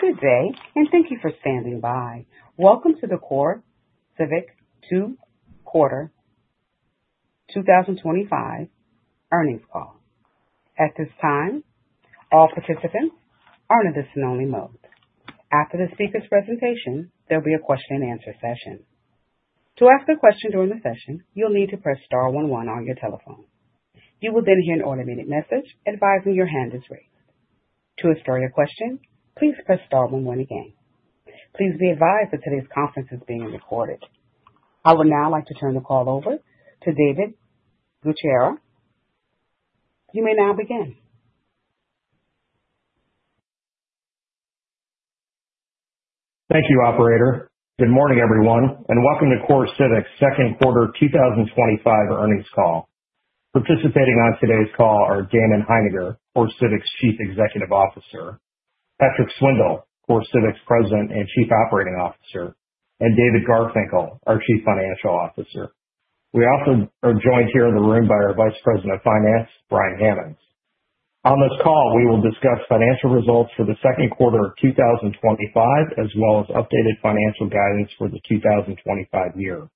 Good day and thank you for standing by. Welcome to the CoreCivic 2 Quarter 2025 earnings call. At this time, all participants are in a listen-only mode. After the speaker's presentation, there will be a question and answer session. To ask a question during the session, you'll need to press star one one on your telephone. You will then hear an automated message advising your hand is raised. To store your question, please press star one one again. Please be advised that today's conference is being recorded. I would now like to turn the call over to David Gutierrez. You may now begin. Thank you, Operator. Good morning, everyone, and welcome to CoreCivic's second quarter 2025 earnings call. Participating on today's call are Damon Hininger, CoreCivic's Chief Executive Officer, Patrick Swindle, CoreCivic's President and Chief Operating Officer, and David Garfinkle, our Chief Financial Officer. We also are joined here in the room by our Vice President of Finance, Brian Hammonds. On this call, we will discuss financial results for the second quarter of 2025, as well as updated financial guidance for the 2025 year.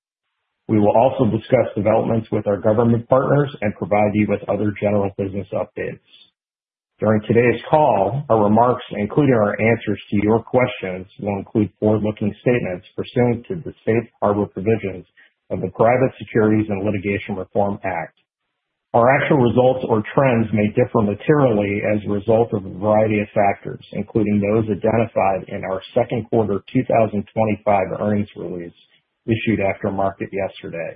We will also discuss developments with our government partners and provide you with other general business updates. During today's call, our remarks, including our answers to your questions, will include forward-looking statements pursuant to the Safe Harbor Provisions of the Private Securities and Litigation Reform Act. Our actual results or trends may differ materially as a result of a variety of factors, including those identified in our second quarter 2025 earnings release issued after market yesterday,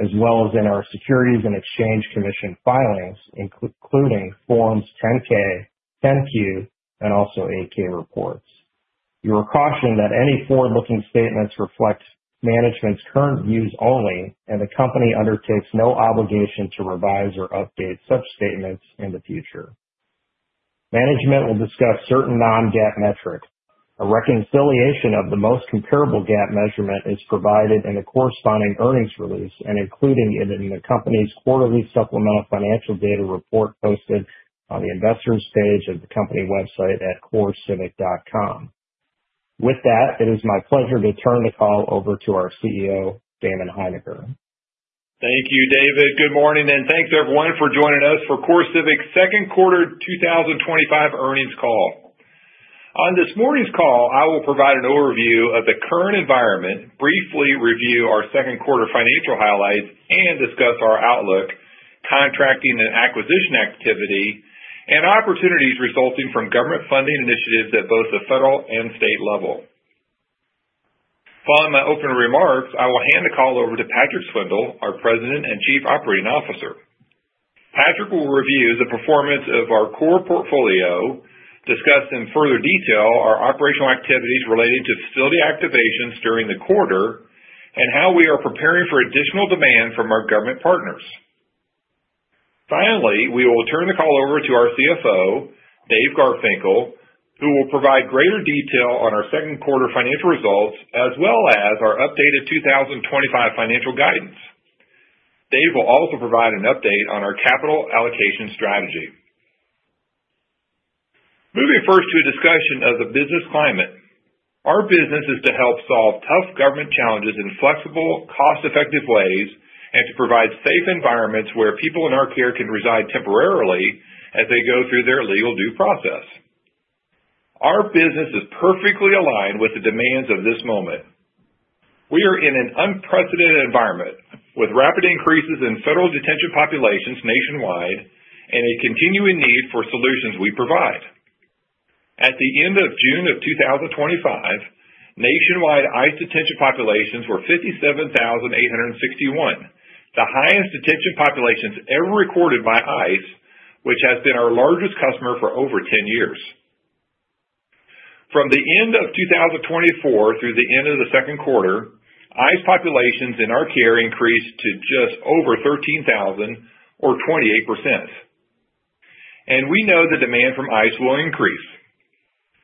as well as in our Securities and Exchange Commission filings, including Forms 10-K, 10-Q, and also 8-K reports. We are cautioning that any forward-looking statements reflect management's current views only, and the company undertakes no obligation to revise or update such statements in the future. Management will discuss certain non-GAAP metrics. A reconciliation of the most comparable GAAP measurement is provided in a corresponding earnings release and included in the company's quarterly supplemental financial data report posted on the investors page of the company website at corecivic.com. With that, it is my pleasure to turn the call over to our CEO, Damon Hininger. Thank you, David. Good morning and thanks, everyone, for joining us for CoreCivic's second quarter 2025 earnings call. On this morning's call, I will provide an overview of the current environment, briefly review our second quarter financial highlights, and discuss our outlook, contracting and acquisition activity, and opportunities resulting from government funding initiatives at both the federal and state level. Following my opening remarks, I will hand the call over to Patrick Swindle, our President and Chief Operating Officer. Patrick will review the performance of our core portfolio, discuss in further detail our operational activities related to facility activations during the quarter, and how we are preparing for additional demand from our government partners. Finally, we will turn the call over to our CFO, David Garfinkle, who will provide greater detail on our second quarter financial results, as well as our updated 2025 financial guidance. David will also provide an update on our capital allocation strategy. Moving first to a discussion of the business climate. Our business is to help solve tough government challenges in flexible, cost-effective ways and to provide safe environments where people in our care can reside temporarily as they go through their legal due process. Our business is perfectly aligned with the demands of this moment. We are in an unprecedented environment, with rapid increases in federal detention populations nationwide and a continuing need for solutions we provide. At the end of June 2025, nationwide ICE detention populations were 57,861, the highest detention populations ever recorded by ICE, which has been our largest customer for over 10 years. From the end of 2024 through the end of the second quarter, ICE populations in our care increased to just over 13,000, or 28%. We know the demand from ICE will increase.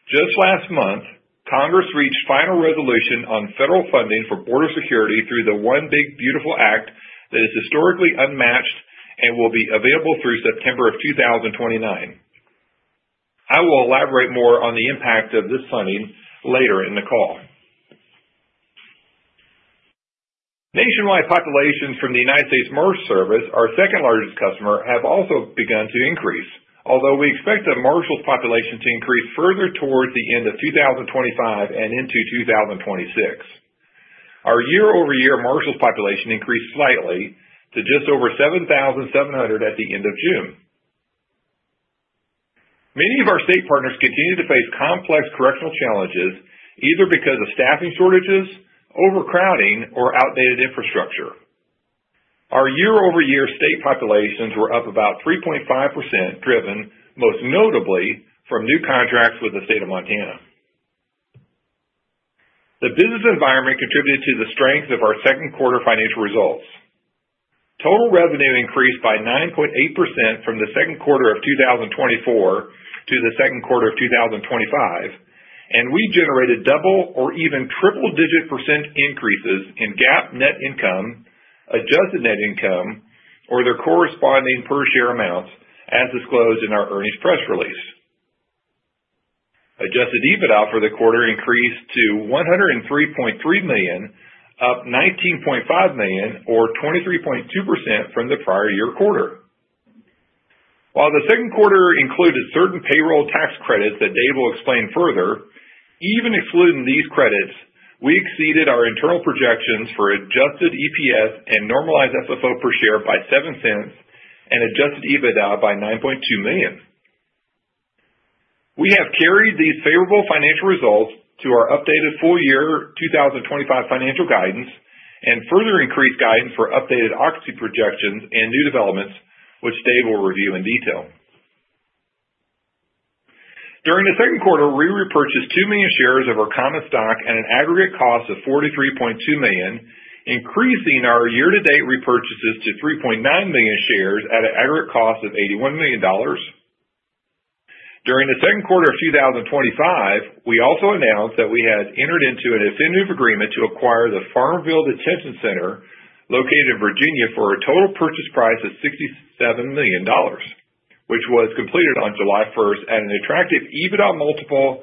Just last month, Congress reached final resolution on federal funding for border security through the One Big Beautiful Act that is historically unmatched and will be available through September 2029. I will elaborate more on the impact of this funding later in the call. Nationwide populations from the United States Marshals Service, our second largest customer, have also begun to increase, although we expect the Marshals' population to increase further towards the end of 2025 and into 2026. Our year-over-year Marshals' population increased slightly to just over 7,700 at the end of June. Many of our state partners continue to face complex correctional challenges, either because of staffing shortages, overcrowding, or outdated infrastructure. Our year-over-year state populations were up about 3.5%, driven most notably from new contracts with the state of Montana. The business environment contributed to the strength of our second quarter financial results. Total revenue increased by 9.8% from the second quarter of 2024 to the second quarter of 2025, and we generated double or even triple-digit % increases in GAAP net income, adjusted net income, or their corresponding per-share amounts, as disclosed in our earnings press release. Adjusted EBITDA for the quarter increased to $103.3 million, up $19.5 million, or 23.2% from the prior year quarter. While the second quarter included certain payroll tax credits that Dave will explain further, even excluding these credits, we exceeded our internal projections for adjusted EPS and normalized FFO per share by $0.07 and adjusted EBITDA by $9.2 million. We have carried these favorable financial results to our updated full-year 2025 financial guidance and further increased guidance for updated Oxy projections and new developments, which Dave will review in detail. During the second quarter, we repurchased 2 million shares of our common stock at an aggregate cost of $43.2 million, increasing our year-to-date repurchases to 3.9 million shares at an aggregate cost of $81 million. During the second quarter of 2025, we also announced that we had entered into an extended agreement to acquire the Farmville Detention Center, located in Virginia, for a total purchase price of $67 million, which was completed on July 1 at an attractive EBITDA multiple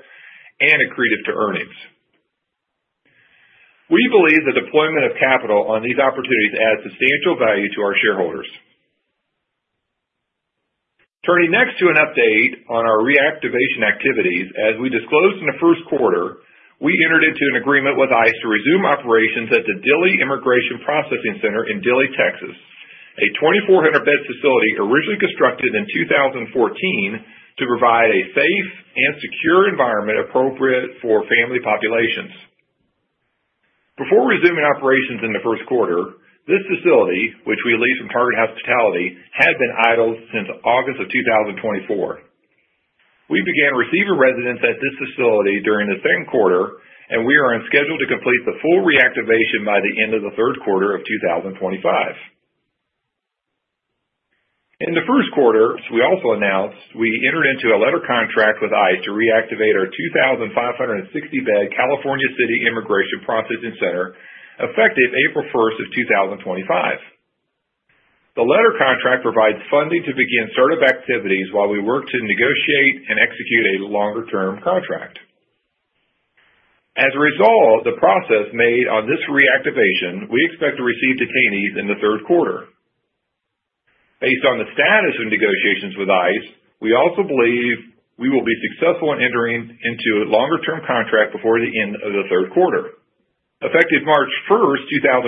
and accreted to earnings. We believe the deployment of capital on these opportunities adds substantial value to our shareholders. Turning next to an update on our reactivation activities, as we disclosed in the first quarter, we entered into an agreement with ICE to resume operations at the Dilley Immigration Processing Center in Dilley, Texas, a 2,400-bed facility originally constructed in 2014 to provide a safe and secure environment appropriate for family populations. Before resuming operations in the first quarter, this facility, which we leave in part in hospitality, had been idle since August of 2024. We began receiving residents at this facility during the second quarter, and we are scheduled to complete the full reactivation by the end of the third quarter of 2025. In the first quarter, we also announced we entered into a letter contract with ICE to reactivate our 2,560-bed California City Immigration Processing Center, effective April 1, 2025. The letter contract provides funding to begin certain activities while we work to negotiate and execute a longer-term contract. As a result of the progress made on this reactivation, we expect to receive detainees in the third quarter. Based on the status of negotiations with ICE, we also believe we will be successful in entering into a longer-term contract before the end of the third quarter. Effective March 1, 2025,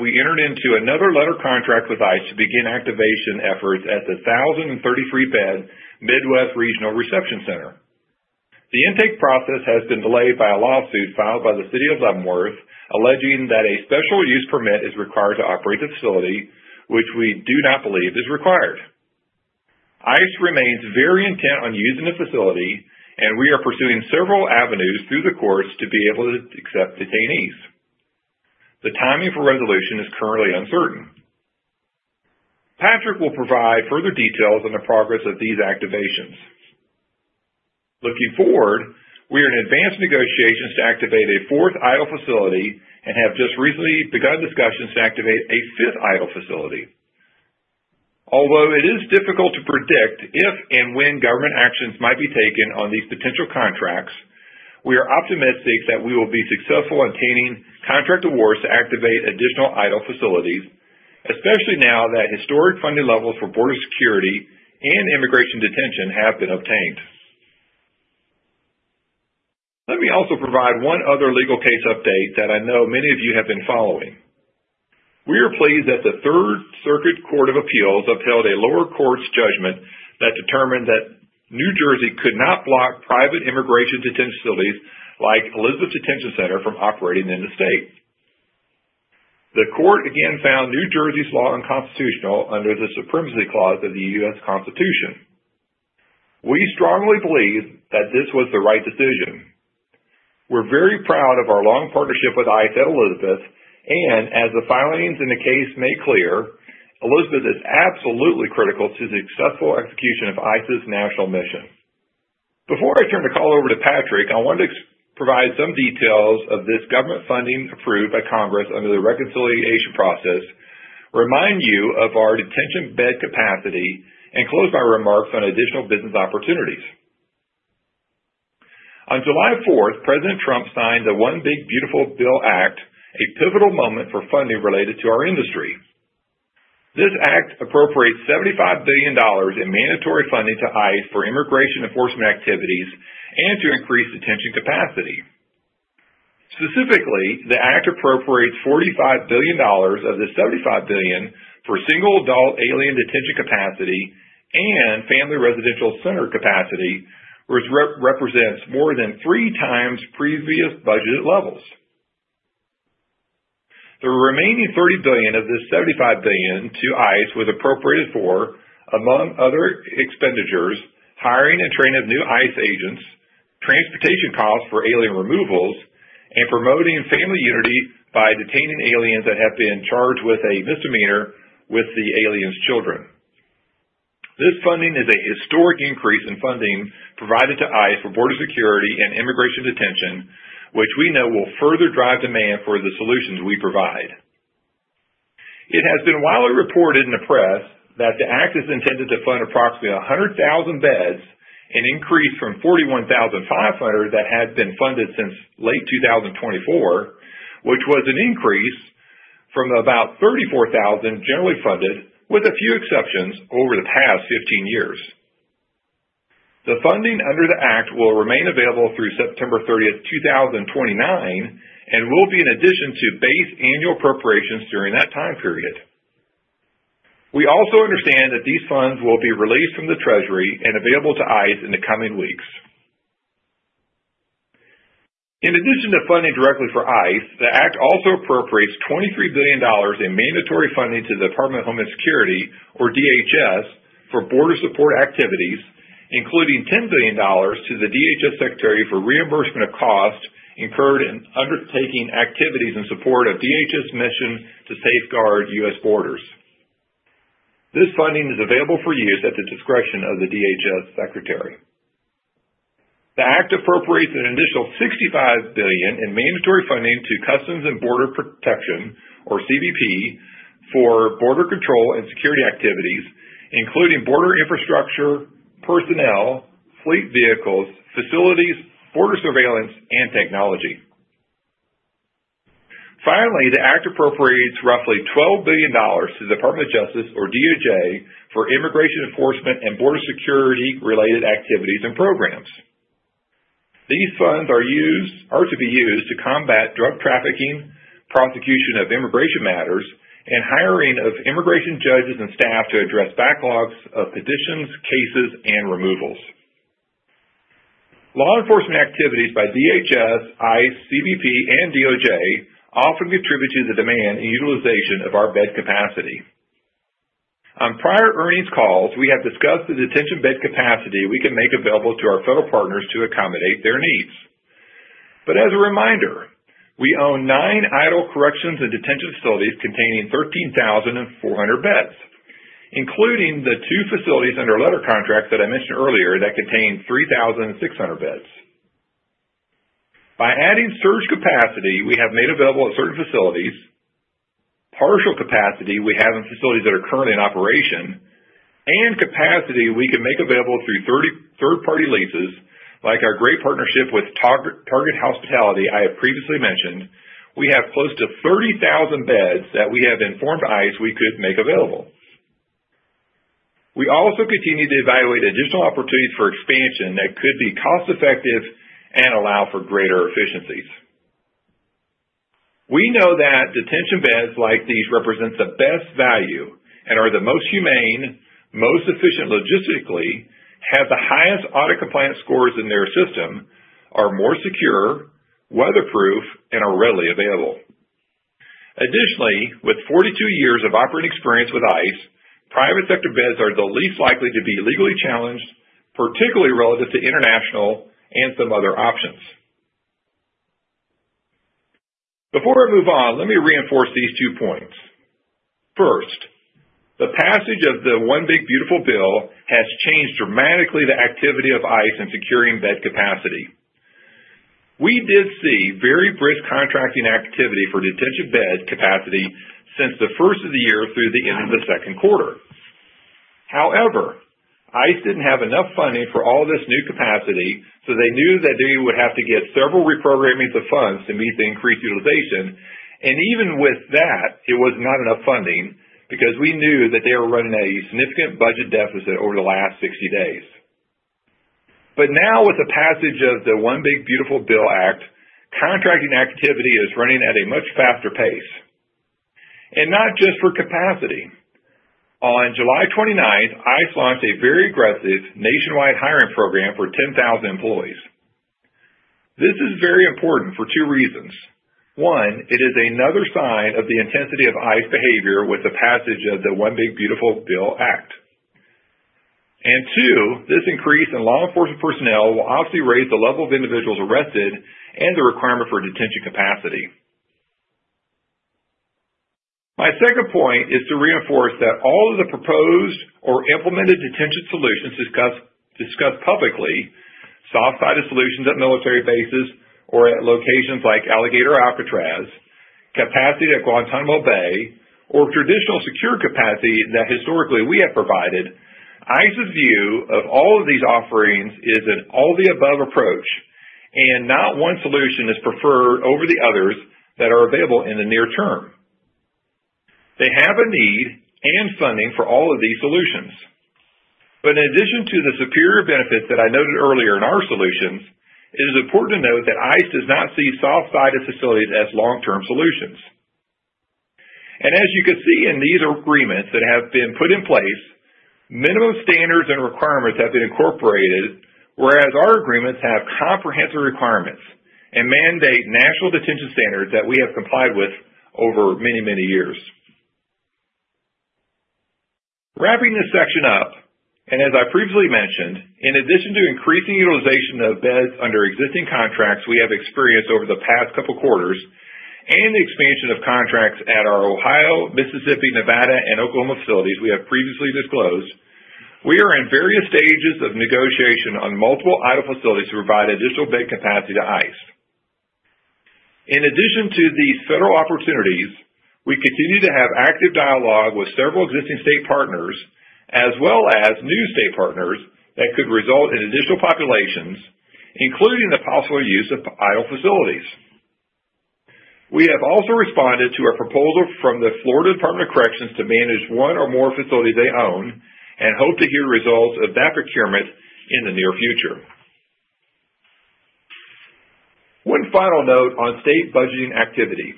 we entered into another letter contract with ICE to begin activation efforts at the 1,033-bed Midwest Regional Reception Center. The intake process has been delayed by a lawsuit filed by the City of Leavenworth, alleging that a special use permit is required to operate the facility, which we do not believe is required. ICE remains very intent on using the facility, and we are pursuing several avenues through the courts to be able to accept detainees. The timing for resolution is currently uncertain. Patrick will provide further details on the progress of these activations. Looking forward, we are in advanced negotiations to activate a fourth idle facility and have just recently begun discussions to activate a fifth idle facility. Although it is difficult to predict if and when government actions might be taken on these potential contracts, we are optimistic that we will be successful in obtaining contract awards to activate additional idle facilities, especially now that historic funding levels for border security and immigration detention have been obtained. Let me also provide one other legal case update that I know many of you have been following. We are pleased that the Third Circuit Court of Appeals upheld a lower court's judgment that determined that New Jersey could not block private immigration detention facilities like Elizabeth Detention Center from operating in the state. The court again found New Jersey's law unconstitutional under the supremacy clause of the U.S. Constitution. We strongly believe that this was the right decision. We're very proud of our long partnership with ICE at Elizabeth, and as the findings in the case make clear, Elizabeth is absolutely critical to the successful execution of ICE's national mission. Before I turn the call over to Patrick, I wanted to provide some details of this government funding approved by Congress under the reconciliation process, remind you of our detention bed capacity, and close my remarks on additional business opportunities. On July 4, President Trump signed the One Big Beautiful Bill Act, a pivotal moment for funding related to our industry. This act appropriates $75 billion in mandatory funding to ICE for immigration enforcement activities and to increase detention capacity. Specifically, the act appropriates $45 billion of the $75 billion for single adult alien detention capacity and family residential center capacity, which represents more than three times previous budget levels. The remaining $30 billion of the $75 billion to ICE was appropriated for, among other expenditures, hiring and training of new ICE agents, transportation costs for alien removals, and promoting family unity by detaining aliens that have been charged with a misdemeanor with the alien's children. This funding is a historic increase in funding provided to ICE for border security and immigration detention, which we know will further drive demand for the solutions we provide. It has been widely reported in the press that the act is intended to fund approximately 100,000 beds, an increase from 41,500 that had been funded since late 2024, which was an increase from about 34,000 generally funded, with a few exceptions, over the past 15 years. The funding under the act will remain available through September 30, 2029, and will be in addition to base annual appropriations during that time period. We also understand that these funds will be released from the Treasury and available to ICE in the coming weeks. In addition to funding directly for ICE, the act also appropriates $23 billion in mandatory funding to the Department of Homeland Security, or DHS, for border support activities, including $10 billion to the DHS Secretary for reimbursement of costs incurred in undertaking activities in support of DHS's mission to safeguard U.S. borders. This funding is available for use at the discretion of the DHS Secretary. The act appropriates an additional $65 billion in mandatory funding to Customs and Border Protection, or CBP, for border control and security activities, including border infrastructure, personnel, fleet vehicles, facilities, border surveillance, and technology. Finally, the act appropriates roughly $12 billion to the Department of Justice, or DOJ, for immigration enforcement and border security-related activities and programs. These funds are to be used to combat drug trafficking, prosecution of immigration matters, and hiring of immigration judges and staff to address backlogs of petitions, cases, and removals. Law enforcement activities by DHS, ICE, CBP, and DOJ often contribute to the demand and utilization of our bed capacity. On prior earnings calls, we have discussed the detention bed capacity we can make available to our federal partners to accommodate their needs. As a reminder, we own nine idle corrections and detention facilities containing 13,400 beds, including the two facilities under letter contracts that I mentioned earlier that contain 3,600 beds. By adding surge capacity we have made available in certain facilities, partial capacity we have in facilities that are currently in operation, and capacity we can make available through third-party leases, like our great partnership with Target Hospitality I have previously mentioned, we have close to 30,000 beds that we have informed ICE we could make available. We also continue to evaluate additional opportunities for expansion that could be cost-effective and allow for greater efficiencies. We know that detention beds like these represent the best value and are the most humane, most efficient logistically, have the highest audit compliance scores in their system, are more secure, weatherproof, and are readily available. Additionally, with 42 years of operating experience with ICE, private sector beds are the least likely to be legally challenged, particularly relative to international and some other options. Before I move on, let me reinforce these two points. First, the passage of the One Big Beautiful Bill has changed dramatically the activity of ICE in securing bed capacity. We did see very brisk contracting activity for detention bed capacity since the first of the year through the end of the second quarter. However, ICE didn't have enough funding for all this new capacity, so they knew that they would have to get several reprogrammings of funds to meet the increased utilization, and even with that, it was not enough funding because we knew that they were running a significant budget deficit over the last 60 days. Now, with the passage of the One Big Beautiful Bill Act, contracting activity is running at a much faster pace, and not just for capacity. On July 29, ICE launched a very aggressive nationwide hiring program for 10,000 employees. This is very important for two reasons. One, it is another sign of the intensity of ICE behavior with the passage of the One Big Beautiful Bill Act. Two, this increase in law enforcement personnel will obviously raise the level of individuals arrested and the requirement for detention capacity. My second point is to reinforce that all of the proposed or implemented detention solutions discussed publicly—soft-sided solutions at military bases or at locations like Alligator, Alcatraz, capacity at Guantanamo Bay, or traditional secure capacity that historically we have provided—ICE's view of all of these offerings is an all-the-above approach, and not one solution is preferred over the others that are available in the near term. They have a need and funding for all of these solutions. In addition to the superior benefits that I noted earlier in our solutions, it is important to note that ICE does not see soft-sided facilities as long-term solutions. As you can see in these agreements that have been put in place, minimum standards and requirements have been incorporated, whereas our agreements have comprehensive requirements and mandate national detention standards that we have complied with over many, many years. Wrapping this section up, and as I previously mentioned, in addition to increasing utilization of beds under existing contracts we have experienced over the past couple of quarters and the expansion of contracts at our Ohio, Mississippi, Nevada, and Oklahoma facilities we have previously disclosed, we are in various stages of negotiation on multiple idle facilities to provide additional bed capacity to ICE. In addition to these federal opportunities, we continue to have active dialogue with several existing state partners, as well as new state partners that could result in additional populations, including the possible use of idle facilities. We have also responded to a proposal from the Florida Department of Corrections to manage one or more facilities they own and hope to hear results of that procurement in the near future. One final note on state budgeting activity.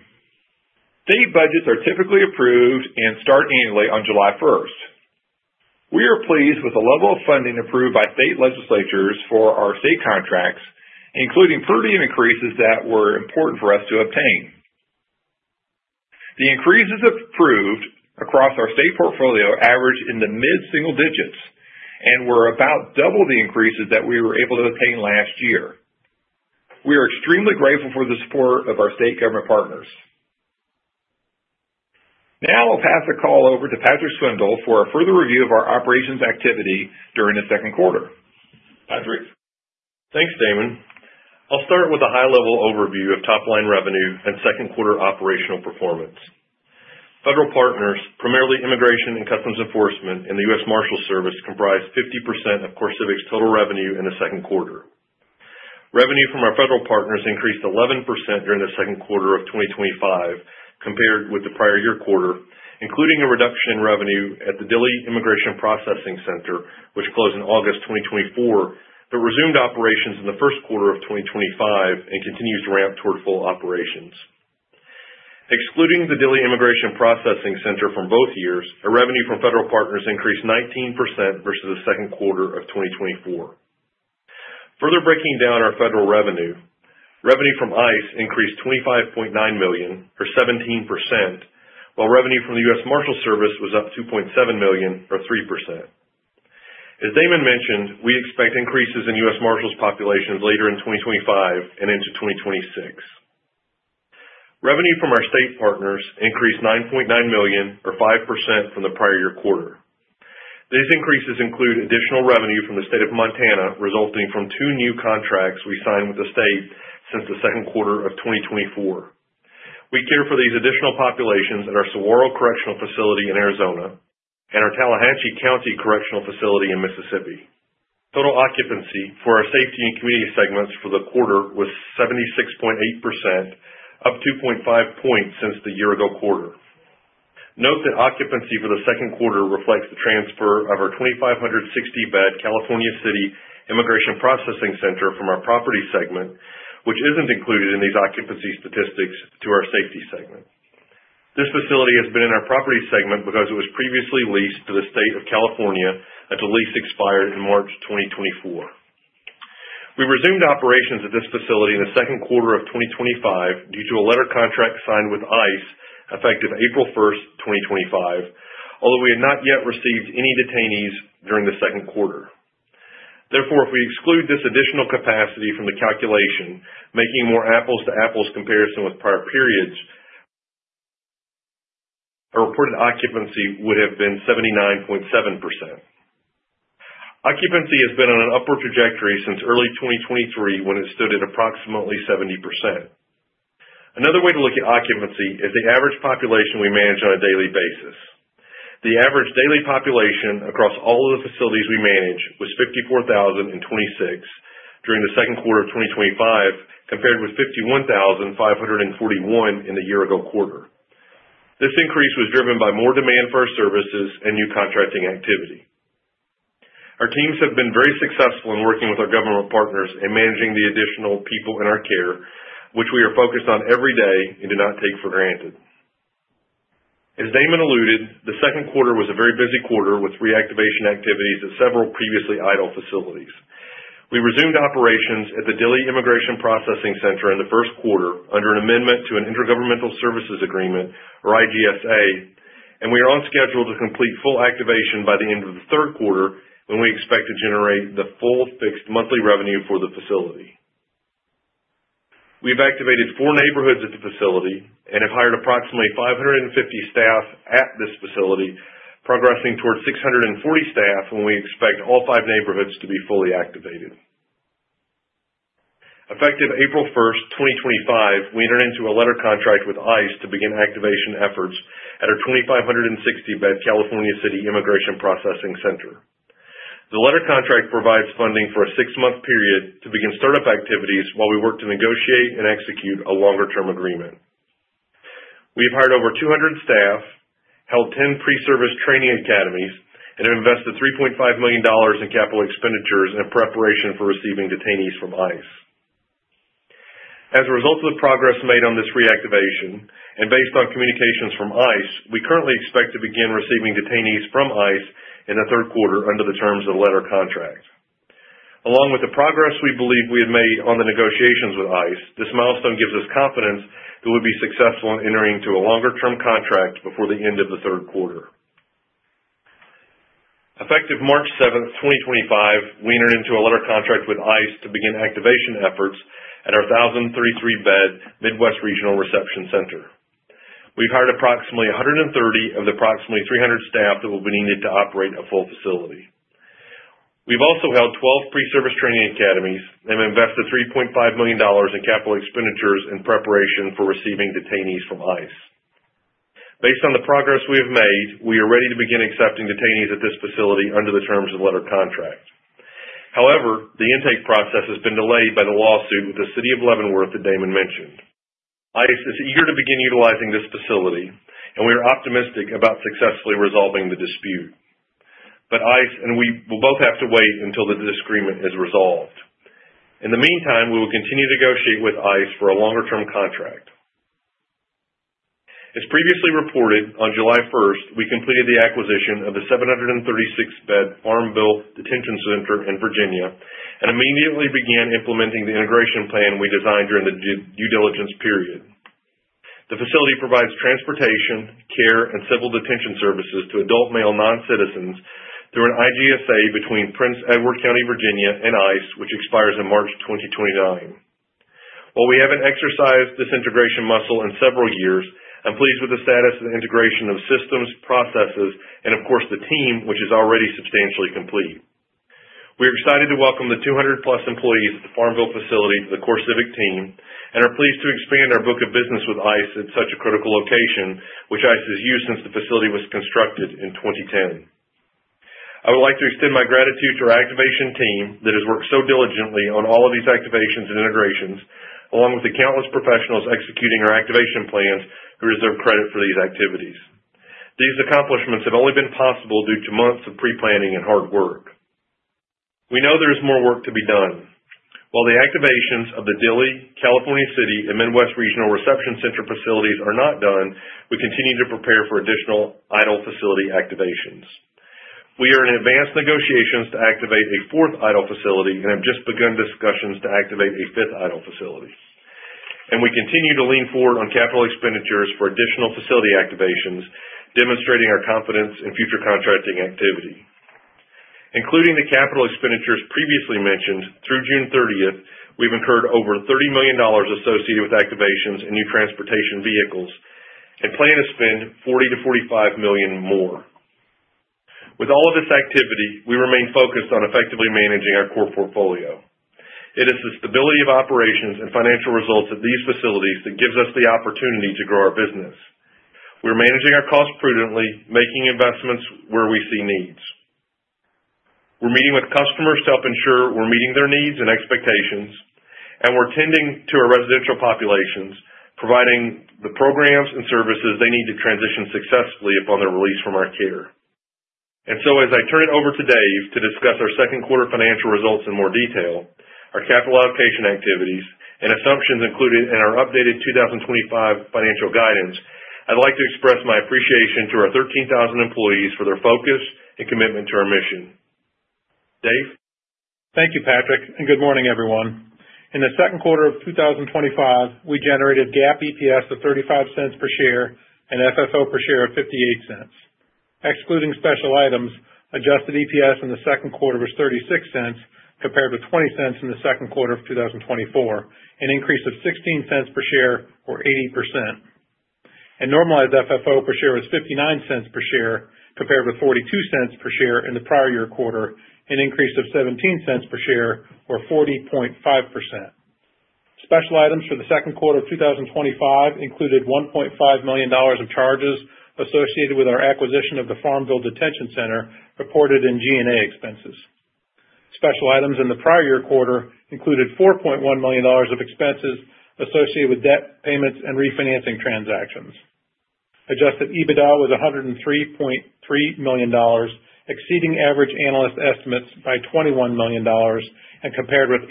State budgets are typically approved and start annually on July 1. We are pleased with the level of funding approved by state legislatures for our state contracts, including prudent increases that were important for us to obtain. The increases approved across our state portfolio averaged in the mid-single digits and were about double the increases that we were able to obtain last year. We are extremely grateful for the support of our state government partners. Now I'll pass the call over to Patrick Swindle for a further review of our operations activity during the second quarter. Patrick. Thanks, Damon. I'll start with a high-level overview of top-line revenue and second-quarter operational performance. Federal partners, primarily Immigration and Customs Enforcement, and the U.S. Marshals Service comprise 50% of CoreCivic's total revenue in the second quarter. Revenue from our federal partners increased 11% during the second quarter of 2025 compared with the prior year quarter, including a reduction in revenue at the Dilley Immigration Processing Center, which closed in August 2024, but resumed operations in the first quarter of 2025 and continues to ramp toward full operations. Excluding the Dilley Immigration Processing Center from both years, revenue from federal partners increased 19% versus the second quarter of 2024. Further breaking down our federal revenue, revenue from ICE increased $25.9 million, or 17%, while revenue from the U.S. Marshals Service was up $2.7 million, or 3%. As Damon mentioned, we expect increases in U.S. Marshals populations later in 2025 and into 2026. Revenue from our state partners increased $9.9 million, or 5%, from the prior year quarter. These increases include additional revenue from the state of Montana, resulting from two new contracts we signed with the state since the second quarter of 2024. We care for these additional populations at our Saguaro Correctional Facility in Arizona and our Tallahatchie County Correctional Facility in Mississippi. Total occupancy for our Safety and Community segments for the quarter was 76.8%, up 2.5 points since the year-ago quarter. Note that occupancy for the second quarter reflects the transfer of our 2,560-bed California City Immigration Processing Center from our Property segment, which isn't included in these occupancy statistics, to our Safety segment. This facility has been in our Property segment because it was previously leased to the state of California until the lease expired in March 2024. We resumed operations at this facility in the second quarter of 2025 due to a letter contract signed with ICE effective April 1, 2025, although we had not yet received any detainees during the second quarter. Therefore, if we exclude this additional capacity from the calculation making a more apples-to-apples comparison with prior periods, our reported occupancy would have been 79.7%. Occupancy has been on an upward trajectory since early 2023 when it stood at approximately 70%. Another way to look at occupancy is the average population we manage on a daily basis. The average daily population across all of the facilities we manage was 54,026 during the second quarter of 2025, compared with 51,541 in the year-ago quarter. This increase was driven by more demand for our services and new contracting activity. Our teams have been very successful in working with our government partners and managing the additional people in our care, which we are focused on every day and do not take for granted. As Damon alluded, the second quarter was a very busy quarter with reactivation activities of several previously idle facilities. We resumed operations at the Dilley Immigration Processing Center in the first quarter under an amendment to an Intergovernmental Services Agreement, or IGSA, and we are on schedule to complete full activation by the end of the third quarter when we expect to generate the full fixed monthly revenue for the facility. We've activated four neighborhoods at the facility and have hired approximately 550 staff at this facility, progressing toward 640 staff when we expect all five neighborhoods to be fully activated. Effective April 1, 2025, we entered into a letter contract with ICE to begin activation efforts at our 2,560-bed California City Immigration Processing Center. The letter contract provides funding for a six-month period to begin startup activities while we work to negotiate and execute a longer-term agreement. We've hired over 200 staff, held 10 pre-service training academies, and invested $3.5 million in capital expenditures in preparation for receiving detainees from ICE. As a result of the progress made on this reactivation and based on communications from ICE, we currently expect to begin receiving detainees from ICE in the third quarter under the terms of the letter contract. Along with the progress we believe we have made on the negotiations with ICE, this milestone gives us confidence that we'll be successful in entering into a longer-term contract before the end of the third quarter. Effective March 7, 2025, we entered into a letter contract with ICE to begin activation efforts at our 1,033-bed Midwest Regional Reception Center. We've hired approximately 130 of the approximately 300 staff that will be needed to operate a full facility. We've also held 12 pre-service training academies and invested $3.5 million in capital expenditures in preparation for receiving detainees from ICE. Based on the progress we have made, we are ready to begin accepting detainees at this facility under the terms of the letter contract. However, the intake process has been delayed by the lawsuit with the City of Leavenworth that Damon mentioned. ICE is eager to begin utilizing this facility, and we are optimistic about successfully resolving the dispute. ICE and we will both have to wait until the disagreement is resolved. In the meantime, we will continue to negotiate with ICE for a longer-term contract. As previously reported, on July 1, we completed the acquisition of the 736-bed Farmville Detention Center in Virginia and immediately began implementing the integration plan we designed during the due diligence period. The facility provides transportation, care, and civil detention services to adult male non-citizens through an IGSA between Prince Edward County, Virginia and ICE, which expires in March 2029. While we haven't exercised this integration muscle in several years, I'm pleased with the status of the integration of systems, processes, and, of course, the team, which is already substantially complete. We're excited to welcome the 200-plus employees at the Farmville facility to the CoreCivic team and are pleased to expand our book of business with ICE at such a critical location, which ICE has used since the facility was constructed in 2010. I would like to extend my gratitude to our activation team that has worked so diligently on all of these activations and integrations, along with the countless professionals executing our activation plans who deserve credit for these activities. These accomplishments have only been possible due to months of pre-planning and hard work. We know there is more work to be done. While the activations of the Dilley, California City, and Midwest Regional Reception Center facilities are not done, we continue to prepare for additional idle facility activations. We are in advanced negotiations to activate a fourth idle facility and have just begun discussions to activate a fifth idle facility. We continue to lean forward on capital expenditures for additional facility activations, demonstrating our confidence in future contracting activity. Including the capital expenditures previously mentioned, through June 30, we've incurred over $30 million associated with activations and new transportation vehicles and plan to spend $40 to $45 million more. With all of this activity, we remain focused on effectively managing our core portfolio. It is the stability of operations and financial results of these facilities that gives us the opportunity to grow our business. We're managing our costs prudently, making investments where we see needs. We're meeting with customers to help ensure we're meeting their needs and expectations, and we're tending to our residential populations, providing the programs and services they need to transition successfully upon their release from our care. As I turn it over to Dave to discuss our second quarter financial results in more detail, our capital allocation activities, and assumptions included in our updated 2025 financial guidance, I'd like to express my appreciation to our 13,000 employees for their focus and commitment to our mission. Dave? Thank you, Patrick, and good morning, everyone. In the second quarter of 2025, we generated GAAP EPS of $0.35 per share and FFO per share of $0.58. Excluding special items, adjusted EPS in the second quarter was $0.36 compared to $0.20 in the second quarter of 2024, an increase of $0.16 per share, or 80%. Normalized FFO per share was $0.59 per share compared with $0.42 per share in the prior year quarter, an increase of $0.17 per share, or 40.5%. Special items for the second quarter of 2025 included $1.5 million of charges associated with our acquisition of the Farmville Detention Center reported in G&A expenses. Special items in the prior year quarter included $4.1 million of expenses associated with debt payments and refinancing transactions. Adjusted EBITDA was $103.3 million, exceeding average analyst estimates by $21 million and compared with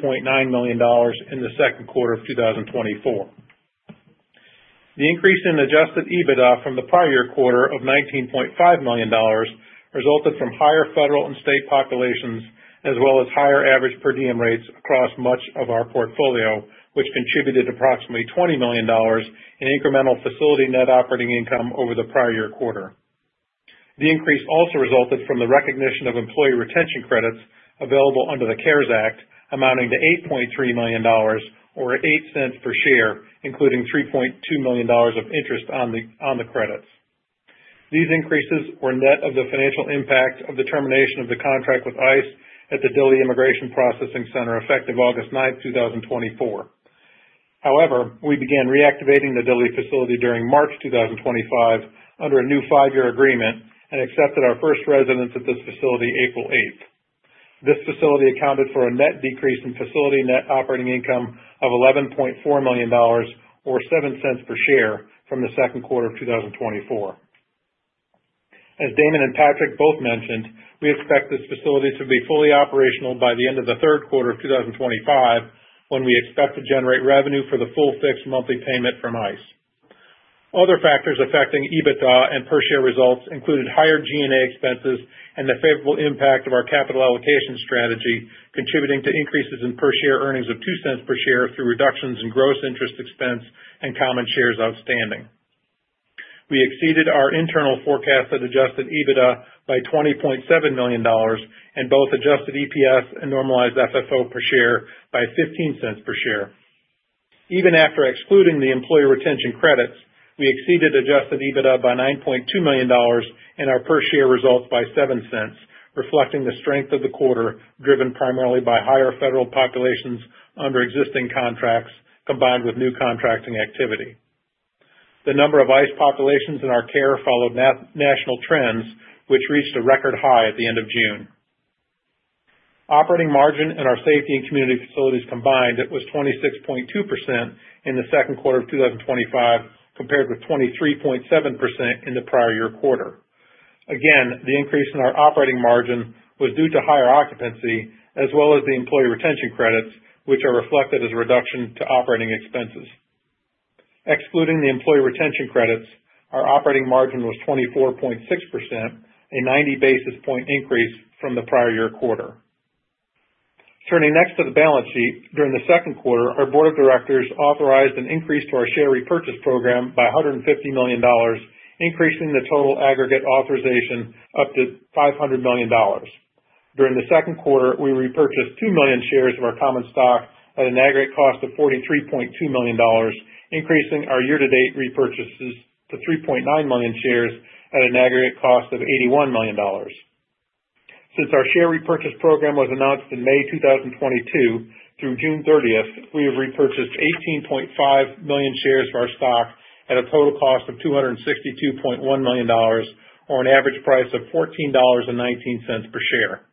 $83.9 million in the second quarter of 2024. The increase in adjusted EBITDA from the prior year quarter of $19.5 million resulted from higher federal and state populations, as well as higher average per diem rates across much of our portfolio, which contributed to approximately $20 million in incremental facility net operating income over the prior year quarter. The increase also resulted from the recognition of employee retention credits available under the CARES Act, amounting to $8.3 million, or $0.08 per share, including $3.2 million of interest on the credits. These increases were net of the financial impact of the termination of the contract with ICE at the Dilley Immigration Processing Center effective August 9, 2024. We began reactivating the Dilley facility during March 2025 under a new five-year agreement and accepted our first residents at this facility April 8. This facility accounted for a net decrease in facility net operating income of $11.4 million, or $0.07 per share, from the second quarter of 2024. As Damon and Patrick both mentioned, we expect this facility to be fully operational by the end of the third quarter of 2025, when we expect to generate revenue for the full fixed monthly payment from ICE. Other factors affecting EBITDA and per-share results included higher G&A expenses and the favorable impact of our capital allocation strategy, contributing to increases in per-share earnings of $0.02 per share through reductions in gross interest expense and common shares outstanding. We exceeded our internal forecasts at adjusted EBITDA by $20.7 million and both adjusted EPS and normalized FFO per share by $0.15 per share. Even after excluding the employee retention credits, we exceeded adjusted EBITDA by $9.2 million and our per-share results by $0.07, reflecting the strength of the quarter driven primarily by higher federal populations under existing contracts combined with new contracting activity. The number of ICE populations in our care followed national trends, which reached a record high at the end of June. Operating margin in our safety and community facilities combined was 26.2% in the second quarter of 2025, compared with 23.7% in the prior year quarter. The increase in our operating margin was due to higher occupancy, as well as the employee retention credits, which are reflected as a reduction to operating expenses. Excluding the employee retention credits, our operating margin was 24.6%, a 90 basis point increase from the prior year quarter. Turning next to the balance sheet, during the second quarter, our Board of Directors authorized an increase to our share repurchase program by $150 million, increasing the total aggregate authorization up to $500 million. During the second quarter, we repurchased 2 million shares of our common stock at an aggregate cost of $43.2 million, increasing our year-to-date repurchases to 3.9 million shares at an aggregate cost of $81 million. Since our share repurchase program was announced in May 2022 through June 30, we have repurchased 18.5 million shares of our stock at a total cost of $262.1 million, or an average price of $14.19 per share.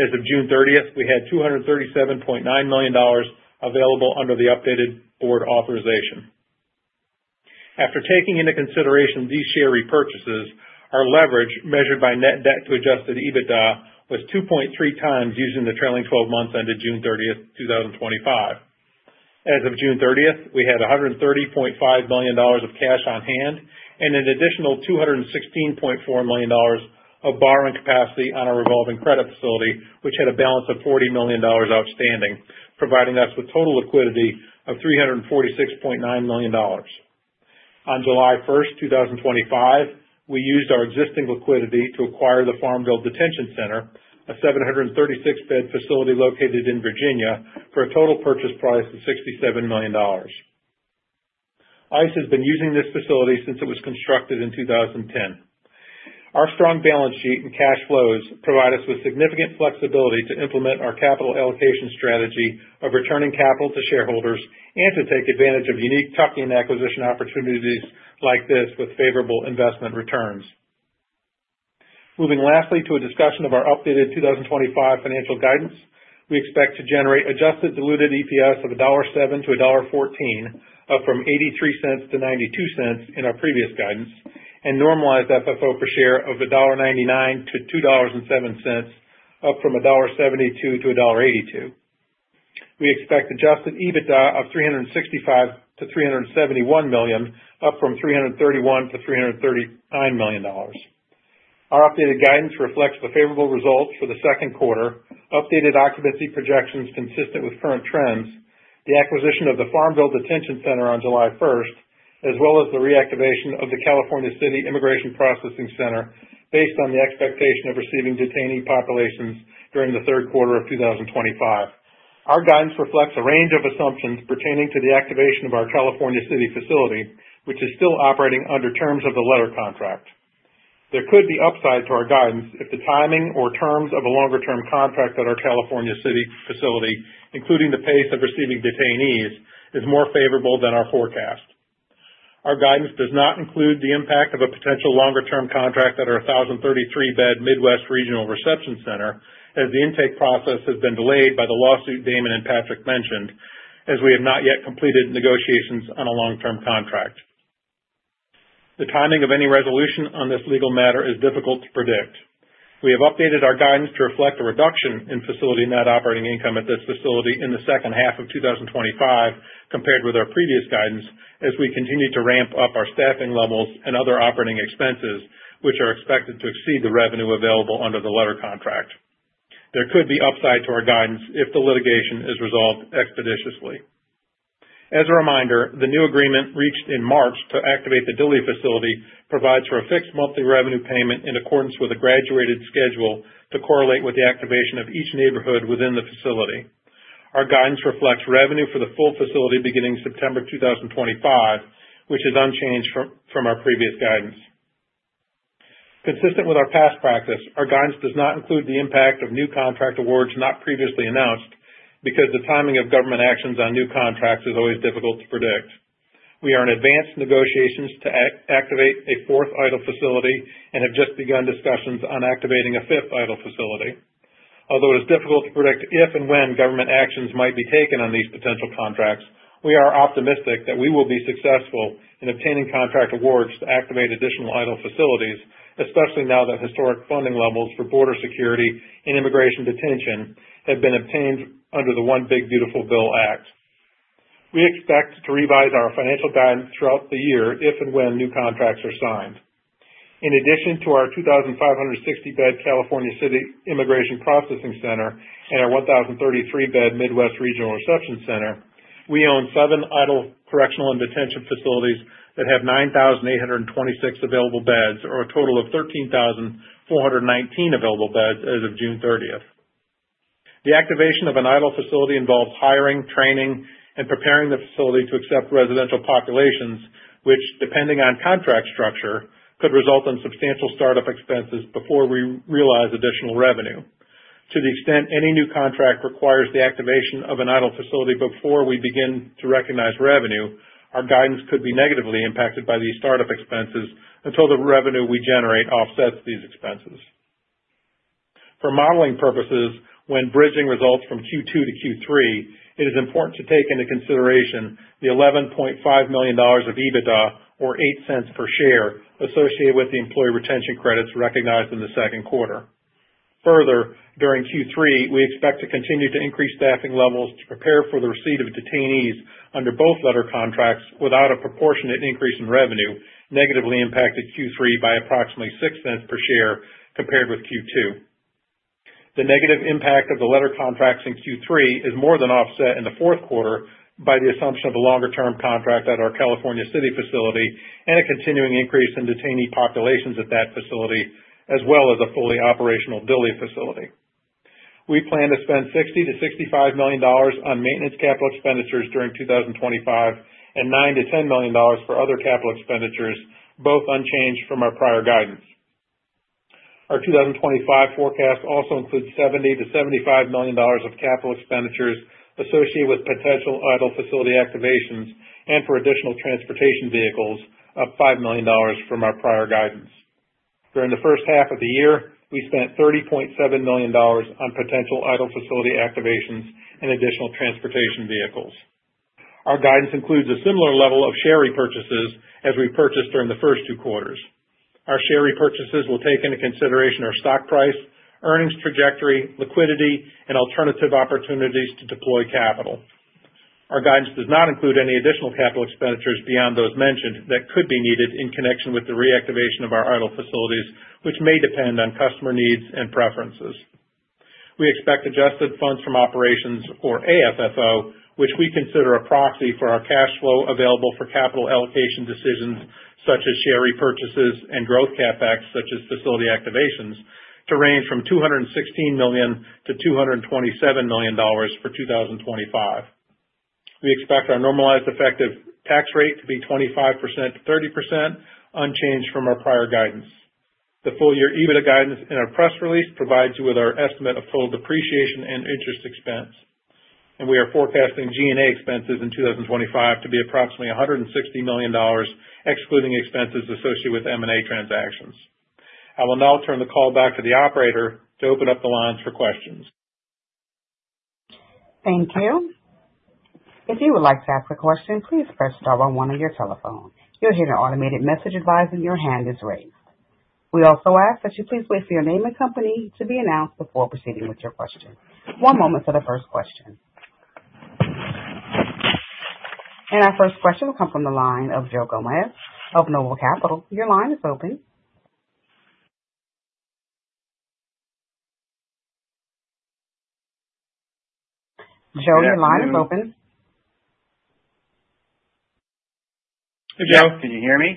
As of June 30, we had $237.9 million available under the updated board authorization. After taking into consideration these share repurchases, our leverage measured by net debt to adjusted EBITDA was 2.3 times using the trailing 12 months ended June 30, 2025. As of June 30, we had $130.5 million of cash on hand and an additional $216.4 million of borrowing capacity on our revolving credit facility, which had a balance of $40 million outstanding, providing us with total liquidity of $346.9 million. On July 1, 2025, we used our existing liquidity to acquire the Farmville Detention Center, a 736-bed facility located in Virginia, for a total purchase price of $67 million. ICE has been using this facility since it was constructed in 2010. Our strong balance sheet and cash flows provide us with significant flexibility to implement our capital allocation strategy of returning capital to shareholders and to take advantage of unique tough gain acquisition opportunities like this with favorable investment returns. Moving lastly to a discussion of our updated 2025 financial guidance, we expect to generate adjusted diluted EPS of $1.07 to $1.14, up from $0.83 to $0.92 in our previous guidance, and normalized FFO per share of $1.99 to $2.07, up from $1.72 to $1.82. We expect adjusted EBITDA of $365 to $371 million, up from $331 to $339 million. Our updated guidance reflects the favorable results for the second quarter, updated occupancy projections consistent with current trends, the acquisition of the Farmville Detention Center on July 1, as well as the reactivation of the California City Immigration Processing Center based on the expectation of receiving detainee populations during the third quarter of 2025. Our guidance reflects a range of assumptions pertaining to the activation of our California City facility, which is still operating under terms of the letter contract. There could be upside to our guidance if the timing or terms of a longer-term contract at our California City facility, including the pace of receiving detainees, is more favorable than our forecast. Our guidance does not include the impact of a potential longer-term contract at our 1,033-bed Midwest Regional Reception Center, as the intake process has been delayed by the lawsuit Damon and Patrick mentioned, as we have not yet completed negotiations on a long-term contract. The timing of any resolution on this legal matter is difficult to predict. We have updated our guidance to reflect a reduction in facility net operating income at this facility in the second half of 2025 compared with our previous guidance, as we continue to ramp up our staffing levels and other operating expenses, which are expected to exceed the revenue available under the letter contract. There could be upside to our guidance if the litigation is resolved expeditiously. As a reminder, the new agreement reached in March to activate the Dilley facility provides for a fixed monthly revenue payment in accordance with a graduated schedule to correlate with the activation of each neighborhood within the facility. Our guidance reflects revenue for the full facility beginning September 2025, which is unchanged from our previous guidance. Consistent with our past practice, our guidance does not include the impact of new contract awards not previously announced because the timing of government actions on new contracts is always difficult to predict. We are in advanced negotiations to activate a fourth idle facility and have just begun discussions on activating a fifth idle facility. Although it is difficult to predict if and when government actions might be taken on these potential contracts, we are optimistic that we will be successful in obtaining contract awards to activate additional idle facilities, especially now that historic funding levels for border security and immigration detention have been obtained under the One Big Beautiful Bill Act. We expect to revise our financial guidance throughout the year if and when new contracts are signed. In addition to our 2,560-bed California City Immigration Processing Center and our 1,033-bed Midwest Regional Reception Center, we own seven idle correctional and detention facilities that have 9,826 available beds, or a total of 13,419 available beds as of June 30. The activation of an idle facility involves hiring, training, and preparing the facility to accept residential populations, which, depending on contract structure, could result in substantial startup expenses before we realize additional revenue. To the extent any new contract requires the activation of an idle facility before we begin to recognize revenue, our guidance could be negatively impacted by these startup expenses until the revenue we generate offsets these expenses. For modeling purposes, when bridging results from Q2 to Q3, it is important to take into consideration the $11.5 million of EBITDA, or $0.08 per share, associated with the employee retention credits recognized in the second quarter. Further, during Q3, we expect to continue to increase staffing levels to prepare for the receipt of detainees under both letter contracts without a proportionate increase in revenue, negatively impacting Q3 by approximately $0.06 per share compared with Q2. The negative impact of the letter contracts in Q3 is more than offset in the fourth quarter by the assumption of a longer-term contract at our California City facility and a continuing increase in detainee populations at that facility, as well as a fully operational Dilley facility. We plan to spend $60 to $65 million on maintenance capital expenditures during 2025 and $9 to $10 million for other capital expenditures, both unchanged from our prior guidance. Our 2025 forecast also includes $70 to $75 million of capital expenditures associated with potential idle facility activations and for additional transportation vehicles, up $5 million from our prior guidance. During the first half of the year, we spent $30.7 million on potential idle facility activations and additional transportation vehicles. Our guidance includes a similar level of share repurchases as we purchased during the first two quarters. Our share repurchases will take into consideration our stock price, earnings trajectory, liquidity, and alternative opportunities to deploy capital. Our guidance does not include any additional capital expenditures beyond those mentioned that could be needed in connection with the reactivation of our idle facilities, which may depend on customer needs and preferences. We expect adjusted funds from operations, or AFFO, which we consider a proxy for our cash flow available for capital allocation decisions, such as share repurchases and growth CapEx, such as facility activations, to range from $216 million to $227 million for 2025. We expect our normalized effective tax rate to be 25% to 30%, unchanged from our prior guidance. The full-year EBITDA guidance in our press release provides you with our estimate of full depreciation and interest expense. We are forecasting G&A expenses in 2025 to be approximately $160 million, excluding expenses associated with M&A transactions. I will now turn the call back to the operator to open up the lines for questions. Thank you. If you would like to ask a question, please press star one on your telephone. You'll hear an automated message advise that your hand is raised. We also ask that you please wait for your name and company to be announced before proceeding with your question. One moment for the first question. Our first question will come from the line of Joe Gomes of Noble Capital. Your line is open. Joe, your line is open. Hey, Joe. Can you hear me?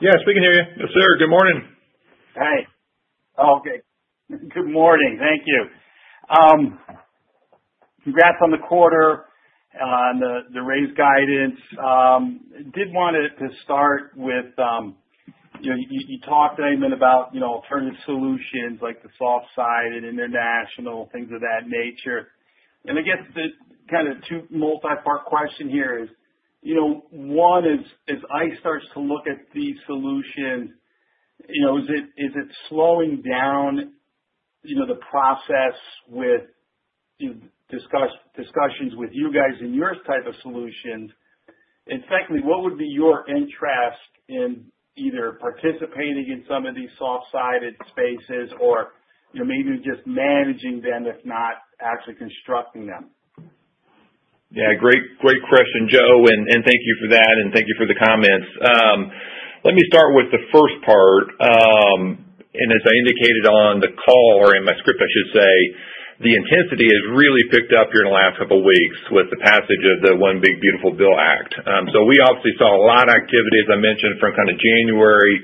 Yes, we can hear you. Yes, sir. Good morning. Hi. Okay. Good morning. Thank you. Congrats on the quarter and on the raised guidance. I did want to start with, you talked about, you know, alternative solutions like the soft-sided international, things of that nature. I guess the kind of two multi-part question here is, one is, as ICE starts to look at these solutions, is it slowing down the process with discussions with you guys and your type of solutions? Secondly, what would be your interest in either participating in some of these soft-sided spaces or maybe just managing them, if not actually constructing them? Great question, Joe. Thank you for that, and thank you for the comments. Let me start with the first part. As I indicated on the call, or in my script, the intensity has really picked up here in the last couple of weeks with the passage of the One Big Beautiful Bill Act. We obviously saw a lot of activities, as I mentioned, from January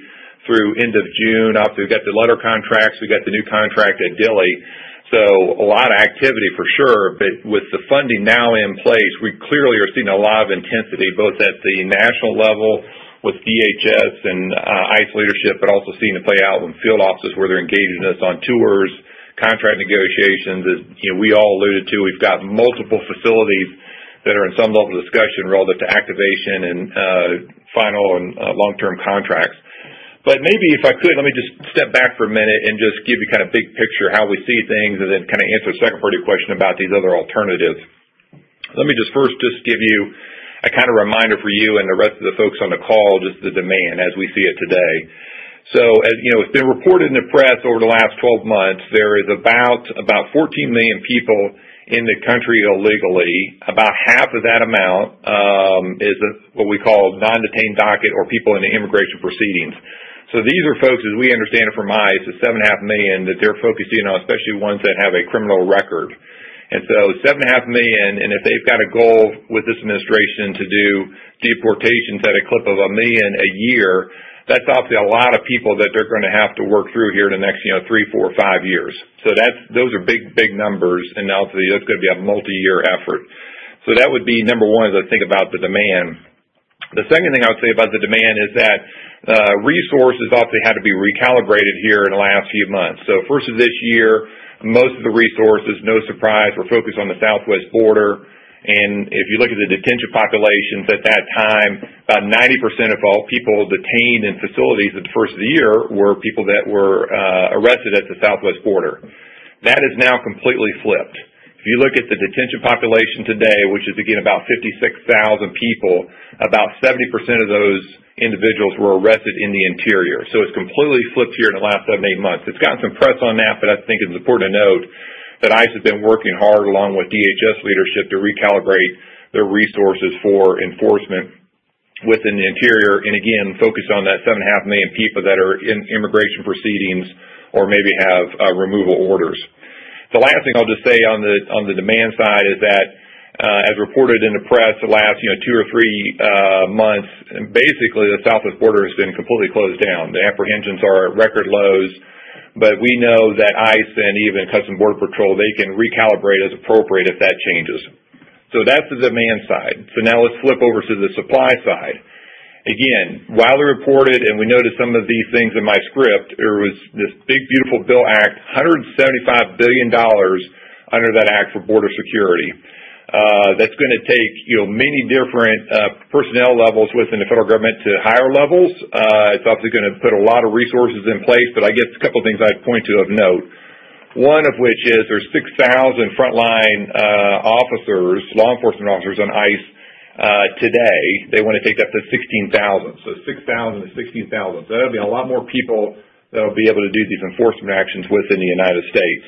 through end of June. We've got the letter contracts. We've got the new contract at Dilley. A lot of activity for sure. With the funding now in place, we clearly are seeing a lot of intensity, both at the national level with DHS and ICE leadership, and also seeing it play out in field offices where they're engaging us on tours and contract negotiations. As you know, we all alluded to, we've got multiple facilities that are in some level of discussion relative to activation and final and long-term contracts. Maybe if I could, let me just step back for a minute and give you kind of a big picture of how we see things, and then answer the second part of your question about these other alternatives. Let me first give you a reminder for you and the rest of the folks on the call, just the demand as we see it today. As you know, it's been reported in the press over the last 12 months, there are about 14 million people in the country illegally. About half of that amount is what we call non-detained docket, or people in the immigration proceedings. These are folks, as we understand it from ICE, the 7.5 million that they're focusing on, especially ones that have a criminal record. If they've got a goal with this administration to do deportations at a clip of a million a year, that's obviously a lot of people that they're going to have to work through here in the next three, four, or five years. Those are big numbers, and that's going to be a multi-year effort. That would be number one as I think about the demand. The second thing I would say about the demand is that resources obviously had to be recalibrated here in the last few months. First of this year, most of the resources, no surprise, were focused on the southwest border. If you look at the detention populations at that time, about 90% of all people detained in facilities at the first of the year were people that were arrested at the southwest border. That has now completely flipped. If you look at the detention population today, which is, again, about 56,000 people, about 70% of those individuals were arrested in the interior. It's completely flipped here in the last seven to eight months. It's gotten some press on that, but I think it's important to note that ICE has been working hard along with DHS leadership to recalibrate their resources for enforcement within the interior. Again, focused on that 7.5 million people that are in immigration proceedings or maybe have removal orders. The last thing I'll just say on the demand side is that, as reported in the press, the last two or three months, basically, the southwest border has been completely closed down. The apprehensions are at record lows, but we know that ICE and even Customs and Border Patrol, they can recalibrate as appropriate if that changes, so that's the demand side. Now let's flip over to the supply side. Again, while we reported and we noticed some of these things in my script, there was this One Big Beautiful Bill Act, $175 billion under that act for border security. That's going to take many different personnel levels within the federal government to higher levels. It's obviously going to put a lot of resources in place, but I guess a couple of things I'd point to of note. One of which is there's 6,000 frontline officers, law enforcement officers on ICE today. They want to take that to 16,000. So 6,000 to 16,000. That'll be a lot more people that'll be able to do these enforcement actions within the United States.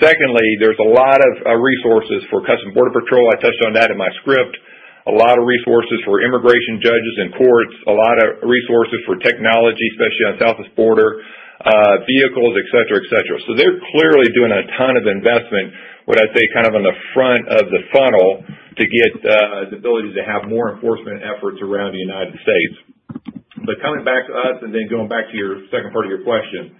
Secondly, there's a lot of resources for Customs and Border Patrol, I touched on that in my script. A lot of resources for immigration judges and courts. A lot of resources for technology, especially on the southwest border, vehicles, etc., etc. They're clearly doing a ton of investment, what I'd say, kind of on the front of the funnel to get the ability to have more enforcement efforts around the United States. Coming back to us and then going back to your second part of your question,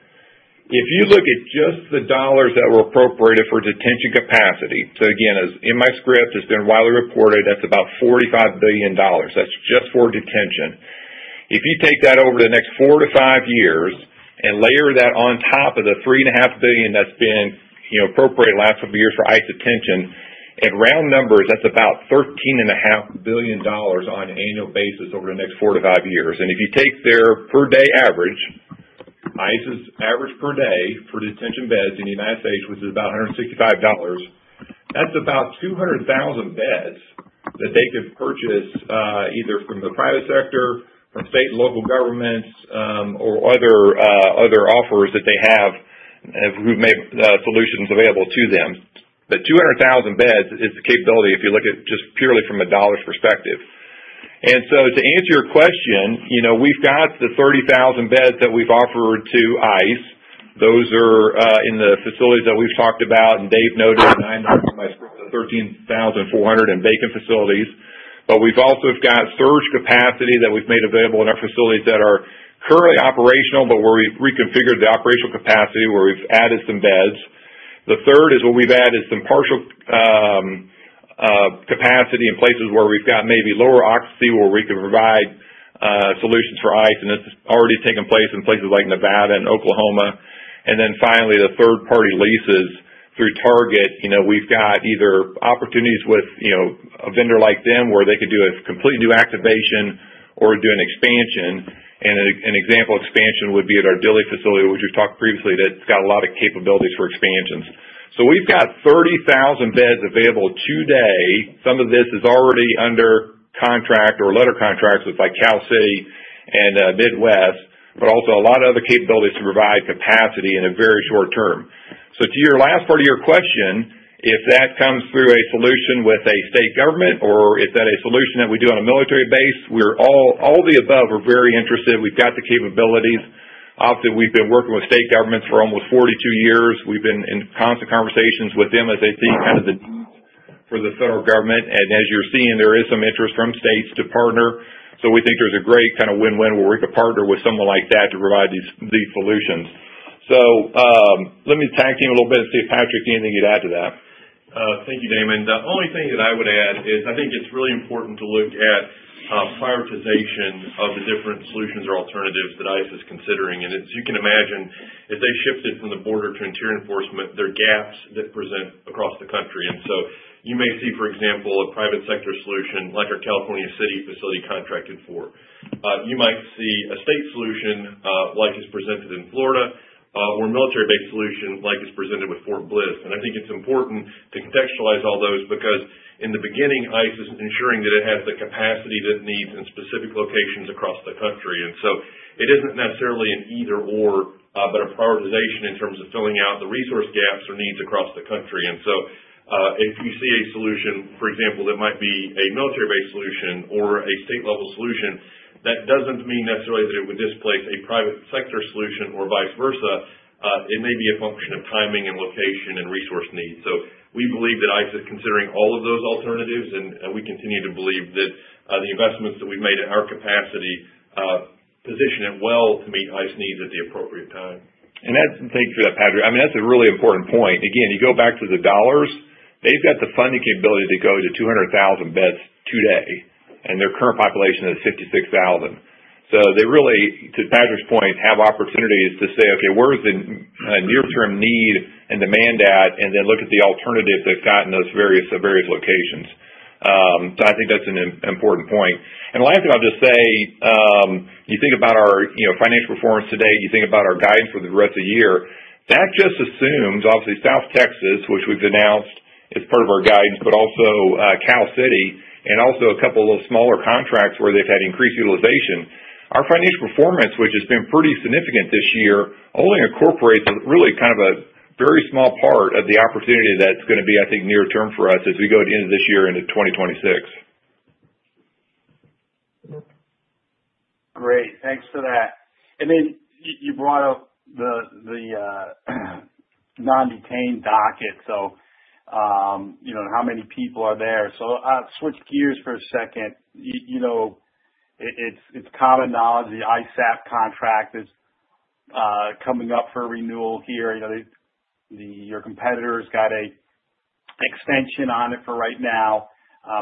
if you look at just the dollars that were appropriated for detention capacity, so again, as in my script, it's been widely reported, that's about $45 billion, that's just for detention. If you take that over the next four to five years and layer that on top of the $3.5 billion that's been, you know, appropriated the last couple of years for ICE detention, at round numbers, that's about $13.5 billion on an annual basis over the next four to five years. If you take their per day average, ICE's average per day for detention beds in the United States, which is about $165, that's about 200,000 beds that they could purchase, either from the private sector or state and local governments, or other offers that they have and who make solutions available to them. The 200,000 beds is the capability if you look at just purely from a dollar perspective. To answer your question, we've got the 30,000 beds that we've offered to ICE. Those are in the facilities that we've talked about, and Dave noted and I noted in my script of 13,400 in vacant facilities. We've also got surge capacity that we've made available in our facilities that are currently operational, but where we've reconfigured the operational capacity where we've added some beds. The third is where we've added some partial capacity in places where we've got maybe lower occupancy where we can provide solutions for ICE, and this is already taking place in places like Nevada and Oklahoma. Finally, the third-party leases through Target, we've got either opportunities with a vendor like them where they could do a completely new activation or do an expansion. An example expansion would be at our Dilley facility, which we've talked previously, that's got a lot of capabilities for expansions. We've got 30,000 beds available today. Some of this is already under contract or letter contracts with like California City and Midwest. Also, a lot of other capabilities to provide capacity in a very short term. To your last part of your question, if that comes through a solution with a state government or is that a solution that we do on a military base, all the above are very interested, we've got the capabilities. Obviously, we've been working with state governments for almost 42 years. We've been in constant conversations with them as they see kind of the need for the federal government. As you're seeing, there is some interest from states to partner. We think there's a great kind of win-win where we could partner with someone like that to provide these solutions. Let me tag team a little bit and see if Patrick can get into that. Thank you, Damon. The only thing that I would add is I think it's really important to look at prioritization of the different solutions or alternatives that ICE is considering. As you can imagine, as they shifted from the border to interior enforcement, there are gaps that present across the country. You may see, for example, a private sector solution like our California City facility contracted for. You might see a state solution, like it's presented in Florida, or a military-based solution like it's presented with Fort Bliss. I think it's important to contextualize all those because in the beginning, ICE is ensuring that it has the capacity that it needs in specific locations across the country. It isn't necessarily an either/or, but a prioritization in terms of filling out the resource gaps or needs across the country. If you see a solution, for example, that might be a military-based solution or a state-level solution, that doesn't mean necessarily that it would displace a private sector solution or vice versa. It may be a function of timing and location and resource needs. We believe that ICE is considering all of those alternatives, and we continue to believe that the investments that we've made at our capacity position it well to meet ICE's needs at the appropriate time. I mean, that's a really important point. Again, you go back to the dollars, they've got the funding capability to go to 200,000 beds today, and their current population is 56,000. To Patrick's point, they have opportunities to say, "Okay, where's the near-term need and demand at?" and then look at the alternative they've got in those various locations. I think that's an important point. The last thing I'll just say, you think about our financial performance today, you think about our guidance for the rest of the year, that just assumes, obviously, South Texas, which we've announced as part of our guidance, but also Cal City, and also a couple of smaller contracts where they've had increased utilization. Our financial performance, which has been pretty significant this year, only incorporates really kind of a very small part of the opportunity that's going to be, I think, near-term for us as we go at the end of this year into 2026. Great, thanks for that. You brought up the non-detained docket. How many people are there? I'll switch gears for a second. It's common knowledge the ICE app contract is coming up for renewal here. Your competitor's got an extension on it for right now.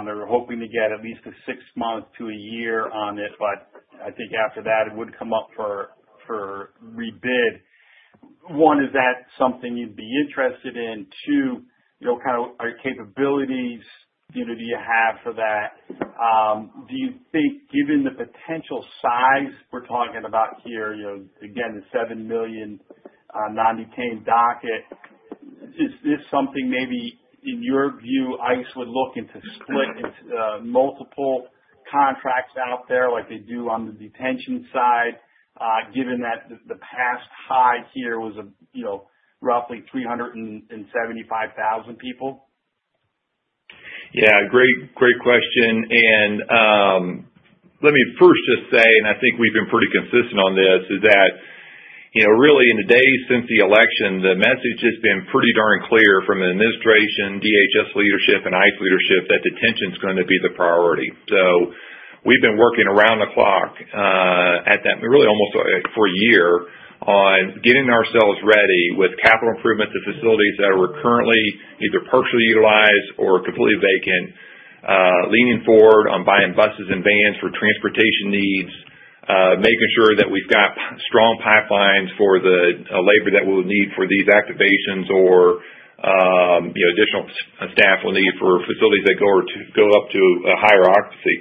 They're hoping to get at least six months to a year on it, but I think after that, it would come up for rebid. One, is that something you'd be interested in? Two, what kind of capabilities do you have for that? Do you think, given the potential size we're talking about here, again, the 7 million non-detained docket, is this something maybe in your view ICE would look into splitting into multiple contracts out there like they do on the detention side, given that the past high here was roughly 375,000 people? Yeah, great, great question. Let me first just say, and I think we've been pretty consistent on this, that really in the days since the election, the message has been pretty darn clear from the administration, DHS leadership, and ICE leadership that detention is going to be the priority. We've been working around the clock, at that really almost for a year on getting ourselves ready with capital improvements to facilities that are currently either partially utilized or completely vacant, leaning forward on buying buses and vans for transportation needs, making sure that we've got strong pipelines for the labor that we'll need for these activations or additional staff we'll need for facilities that go up to a higher occupancy.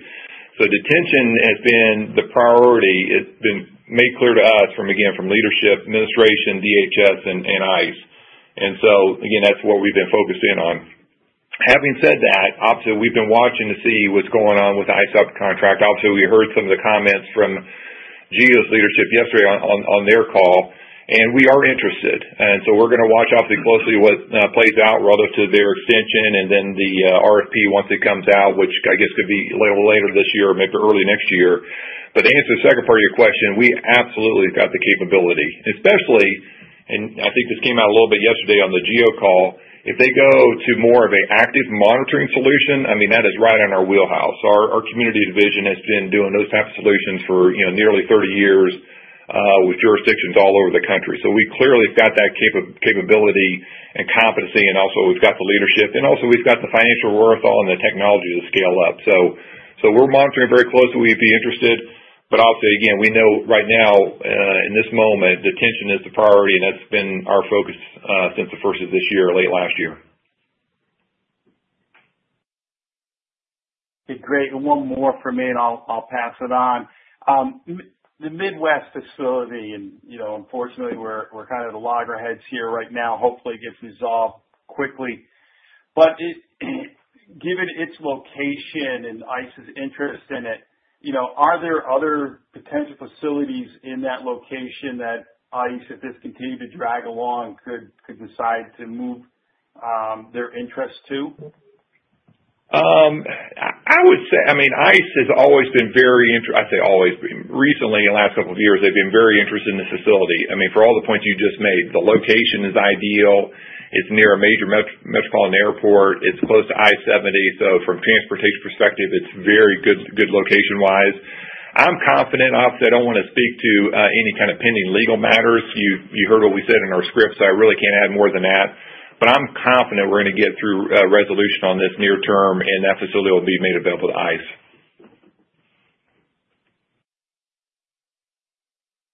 Detention has been the priority. It's been made clear to us from, again, from leadership, administration, DHS, and ICE. That's what we've been focused in on. Having said that, obviously, we've been watching to see what's going on with ICE up contract. Obviously, we heard some of the comments from GEO's leadership yesterday on their call, and we are interested. We're going to watch closely what plays out relative to their extension and then the RFP once it comes out, which I guess could be a little later this year or maybe early next year. To answer the second part of your question, we absolutely have got the capability, especially, and I think this came out a little bit yesterday on the GEO call, if they go to more of an active monitoring solution, I mean, that is right in our wheelhouse. Our community division has been doing those types of solutions for nearly 30 years, with jurisdictions all over the country. We clearly have got that capability and competency, and also we've got the leadership, and also we've got the financial wherewithal and the technology to scale up. We're monitoring very closely. We'd be interested. I'll say, again, we know right now, in this moment, detention is the priority, and that's been our focus, since the first of this year or late last year. Okay, great. One more for me, and I'll pass it on. The Midwest facility, and unfortunately, we're kind of at loggerheads here right now. Hopefully, it gets resolved quickly. Given its location and ICE's interest in it, are there other potential facilities in that location that ICE, if this continued to drag along, could decide to move their interest to? I would say, ICE has always been very interested, I say always been, recently in the last couple of years, they've been very interested in the facility. For all the points you just made, the location is ideal. It's near a major metropolitan airport. It's close to I-70. From a transportation perspective, it's very good, good location-wise. I'm confident, obviously, I don't want to speak to any kind of pending legal matters. You heard what we said in our script, so I really can't add more than that. I'm confident we're going to get through a resolution on this near term, and that facility will be made available to ICE.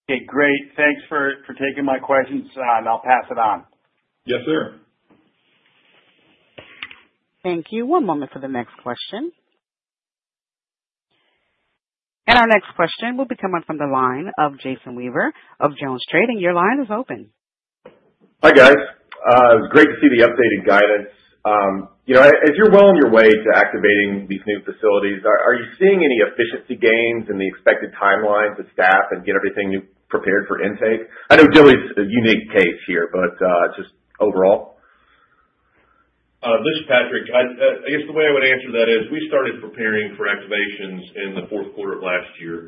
Okay, great. Thanks for taking my questions, and I'll pass it on. Yes, sir. Thank you. One moment for the next question. Our next question will be coming from the line of Jason Weaver of Jones Trading, and your line is open. Hi guys. Great to see the updated guidance. As you're well on your way to activating these new facilities, are you seeing any efficiency gains in the expected timeline for staff and getting everything prepared for intake? I know Dilley's a unique case here, but just overall. This is Patrick. I guess the way I would answer that is we started preparing for activations in the fourth quarter of last year.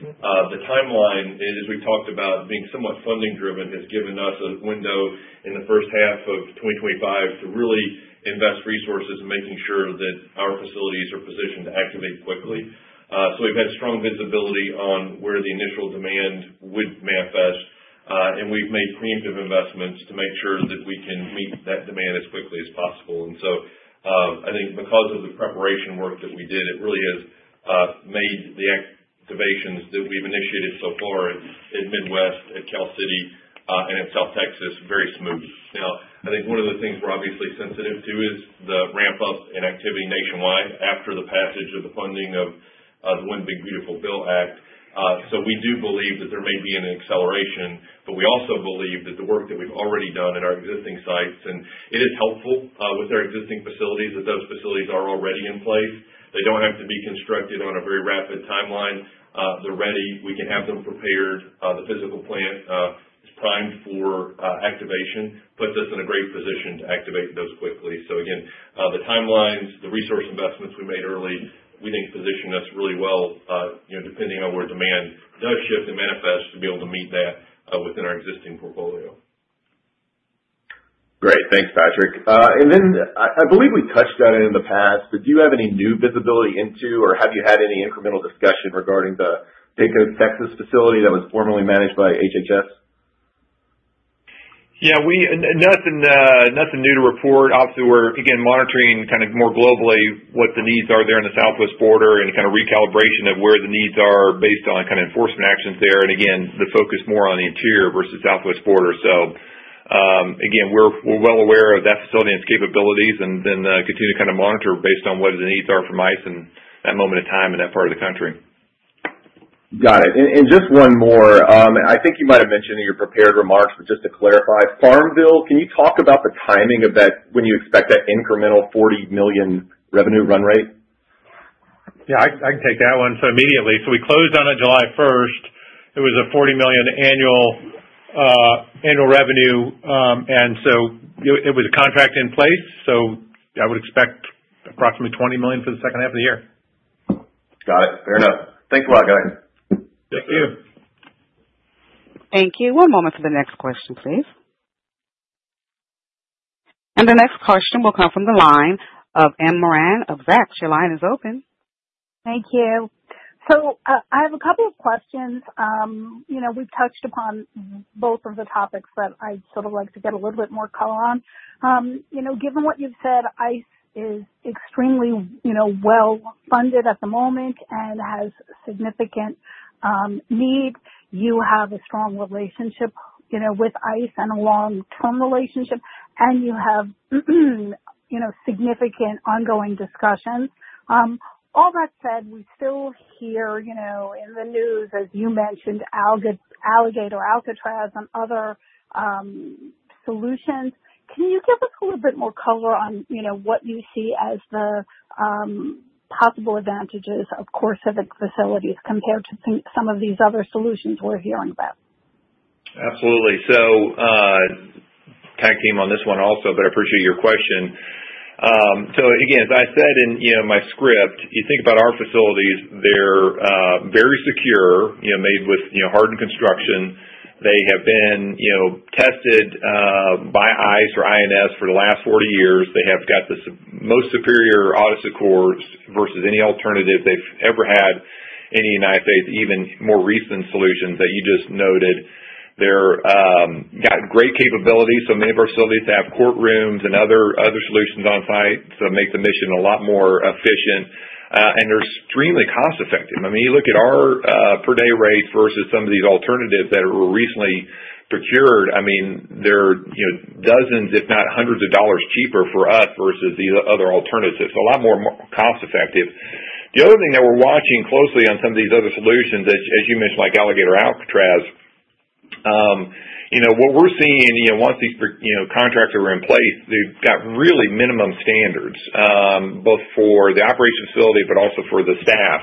The timeline, as we talked about, being somewhat funding-driven, has given us a window in the first half of 2025 to really invest resources in making sure that our facilities are positioned to activate quickly. We have had strong visibility on where the initial demand would manifest, and we have made preemptive investments to make sure that we can meet that demand as quickly as possible. I think because of the preparation work that we did, it really has made the activations that we have initiated so far in the Midwest, at California City, and at South Texas very smooth. One of the things we are obviously sensitive to is the ramp-up in activity nationwide after the passage of the funding of the One Big Beautiful Bill Act. We do believe that there may be an acceleration, but we also believe that the work that we have already done at our existing sites, and it is helpful with our existing facilities that those facilities are already in place. They do not have to be constructed on a very rapid timeline. They are ready. We can have them prepared. The physical plan is primed for activation, which puts us in a great position to activate those quickly. The timelines and the resource investments we made early, we think, positioned us really well, depending on where demand does shift and manifest, to be able to meet that within our existing portfolio. Great. Thanks, Patrick. I believe we touched on it in the past, but do you have any new visibility into, or have you had any incremental discussion regarding the Pecos, Texas facility that was formerly managed by HHS? Yeah, we have nothing new to report. Obviously, we're, again, monitoring kind of more globally what the needs are there in the southwest border and kind of recalibration of where the needs are based on kind of enforcement actions there. Again, the focus is more on the interior versus southwest border. We're well aware of that facility and its capabilities and continue to kind of monitor based on what the needs are from ICE in that moment in time in that part of the country. Got it. Just one more, I think you might have mentioned in your prepared remarks, but just to clarify, Farmville, can you talk about the timing of that when you expect that incremental $40 million revenue run rate? Yeah, I can take that one. Immediately, we closed on it July 1. It was a $40 million annual revenue, and it was a contract in place. I would expect approximately $20 million for the second half of the year. Got it. Fair enough. Thanks a lot, guys. Thank you. Thank you. One moment for the next question, please. The next question will come from the line of Anne Moran of Vets. Your line is open. Thank you. I have a couple of questions. We've touched upon both of the topics that I'd like to get a little bit more color on. Given what you've said, ICE is extremely well-funded at the moment and has significant need. You have a strong relationship with ICE and a long-term relationship, and you have significant ongoing discussions. All that said, we still hear in the news, as you mentioned, Alligator Alcatraz and other solutions. Can you give us a little bit more color on what you see as the possible advantages of CoreCivic facilities compared to some of these other solutions we're hearing about? Absolutely. Tag team on this one also, but I appreciate your question. As I said in my script, you think about our facilities. They're very secure, made with hardened construction. They have been tested by ICE or INS for the last 40 years. They have got the most superior Audyssey Corps versus any alternative they've ever had in the United States, even more recent solutions that you just noted. They've got great capabilities. Many of our facilities have courtrooms and other solutions on site, so it makes the mission a lot more efficient, and they're extremely cost-effective. I mean, you look at our per-day rates versus some of these alternatives that were recently procured. They're dozens, if not hundreds, of dollars cheaper for us versus these other alternatives. It's a lot more cost-effective. The other thing that we're watching closely on some of these other solutions, as you mentioned, like Alligator Alcatraz, what we're seeing once these contracts are in place, they've got really minimum standards, both for the operation facility but also for the staff.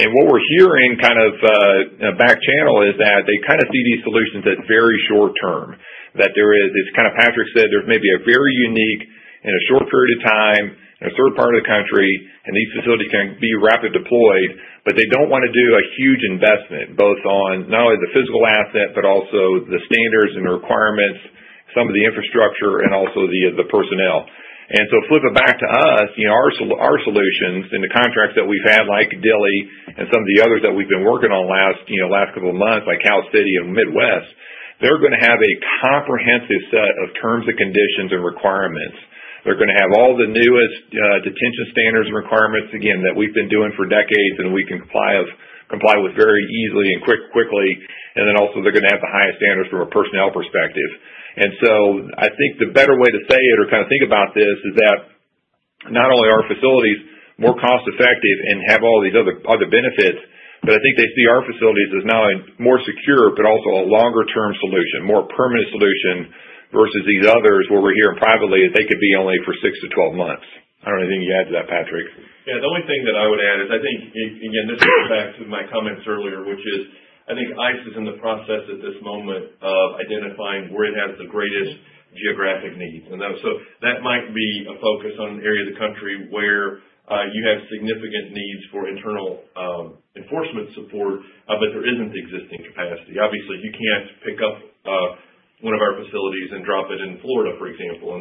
What we're hearing in a back channel is that they kind of see these solutions as very short term, that there is, as Patrick said, maybe a very unique and short period of time in a certain part of the country, and these facilities can be rapid deployed, but they don't want to do a huge investment both on not only the physical asset but also the standards and the requirements, some of the infrastructure, and also the personnel. Flipping back to us, our solutions and the contracts that we've had like Dilley and some of the others that we've been working on the last couple of months, like California City and Midwest, they're going to have a comprehensive set of terms and conditions and requirements. They're going to have all the newest detention standards and requirements, again, that we've been doing for decades and we can comply with very easily and quickly. Also, they're going to have the highest standards from a personnel perspective. I think the better way to say it or think about this is that not only are our facilities more cost-effective and have all these other benefits, but I think they see our facilities as not only more secure but also a longer-term solution, more permanent solution versus these others where we're hearing privately that they could be only for 6 to 12 months. Anything to add to that, Patrick. Yeah, the only thing that I would add is I think, again, this goes back to my comments earlier, which is I think ICE is in the process at this moment of identifying where it has the greatest geographic needs. That might be a focus on an area of the country where you have significant needs for internal enforcement support, but there isn't the existing capacity. Obviously, you can't pick up one of our facilities and drop it in Florida, for example.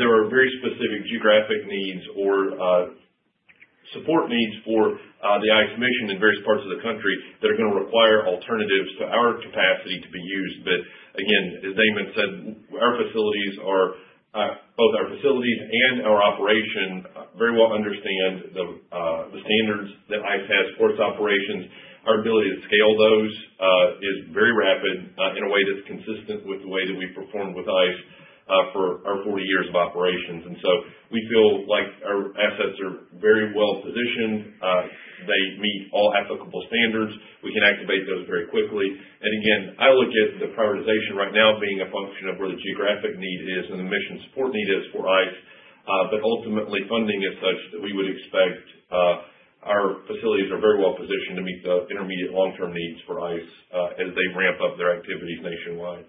There are very specific geographic needs or support needs for the ICE mission in various parts of the country that are going to require alternatives to our capacity to be used. Again, as Damon said, both our facilities and our operations very well understand the standards that ICE has for its operations. Our ability to scale those is very rapid, in a way that's consistent with the way that we performed with ICE for our 40 years of operations. We feel like our assets are very well positioned. They meet all applicable standards. We can activate those very quickly. I look at the prioritization right now being a function of where the geographic need is and the mission support need is for ICE. Ultimately, funding is such that we would expect our facilities are very well positioned to meet the intermediate long-term needs for ICE as they ramp up their activities nationwide.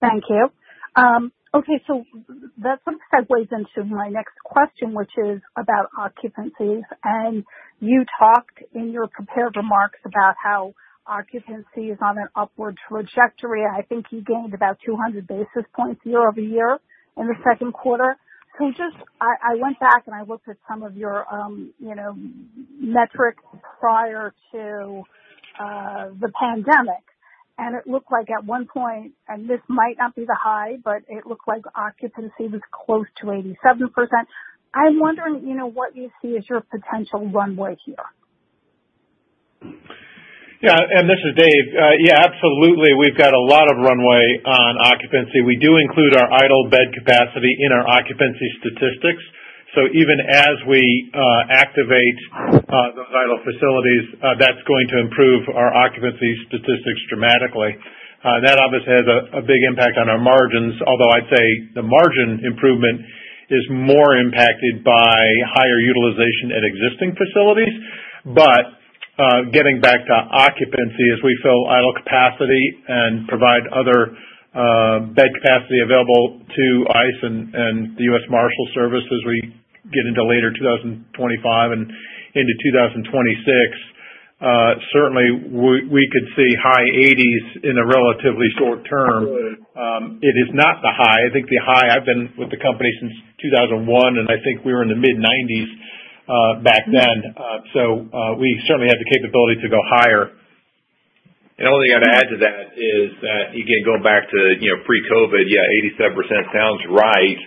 Thank you. Okay, that sort of segues into my next question, which is about occupancies. You talked in your prepared remarks about how occupancy is on an upward trajectory. I think you gained about 200 basis points year over year in the second quarter. I went back and I looked at some of your metrics prior to the pandemic, and it looked like at one point, and this might not be the high, but it looked like occupancy was close to 87%. I'm wondering what you see as your potential runway here. Yeah, and this is Dave. Yeah, absolutely. We've got a lot of runway on occupancy. We do include our idle bed capacity in our occupancy statistics. Even as we activate those idle facilities, that's going to improve our occupancy statistics dramatically, and that obviously has a big impact on our margins. Although I'd say the margin improvement is more impacted by higher utilization at existing facilities. Getting back to occupancy, as we fill idle capacity and provide other bed capacity available to ICE and the U.S. Marshals Service as we get into later 2025 and into 2026. Certainly, we could see high 80% in a relatively short term. It is not the high. I think the high I've been with the company since 2001, and I think we were in the mid-90% back then. We certainly have the capability to go higher. The only thing I'd add to that is that, again, going back to pre-COVID, 87% sounds right.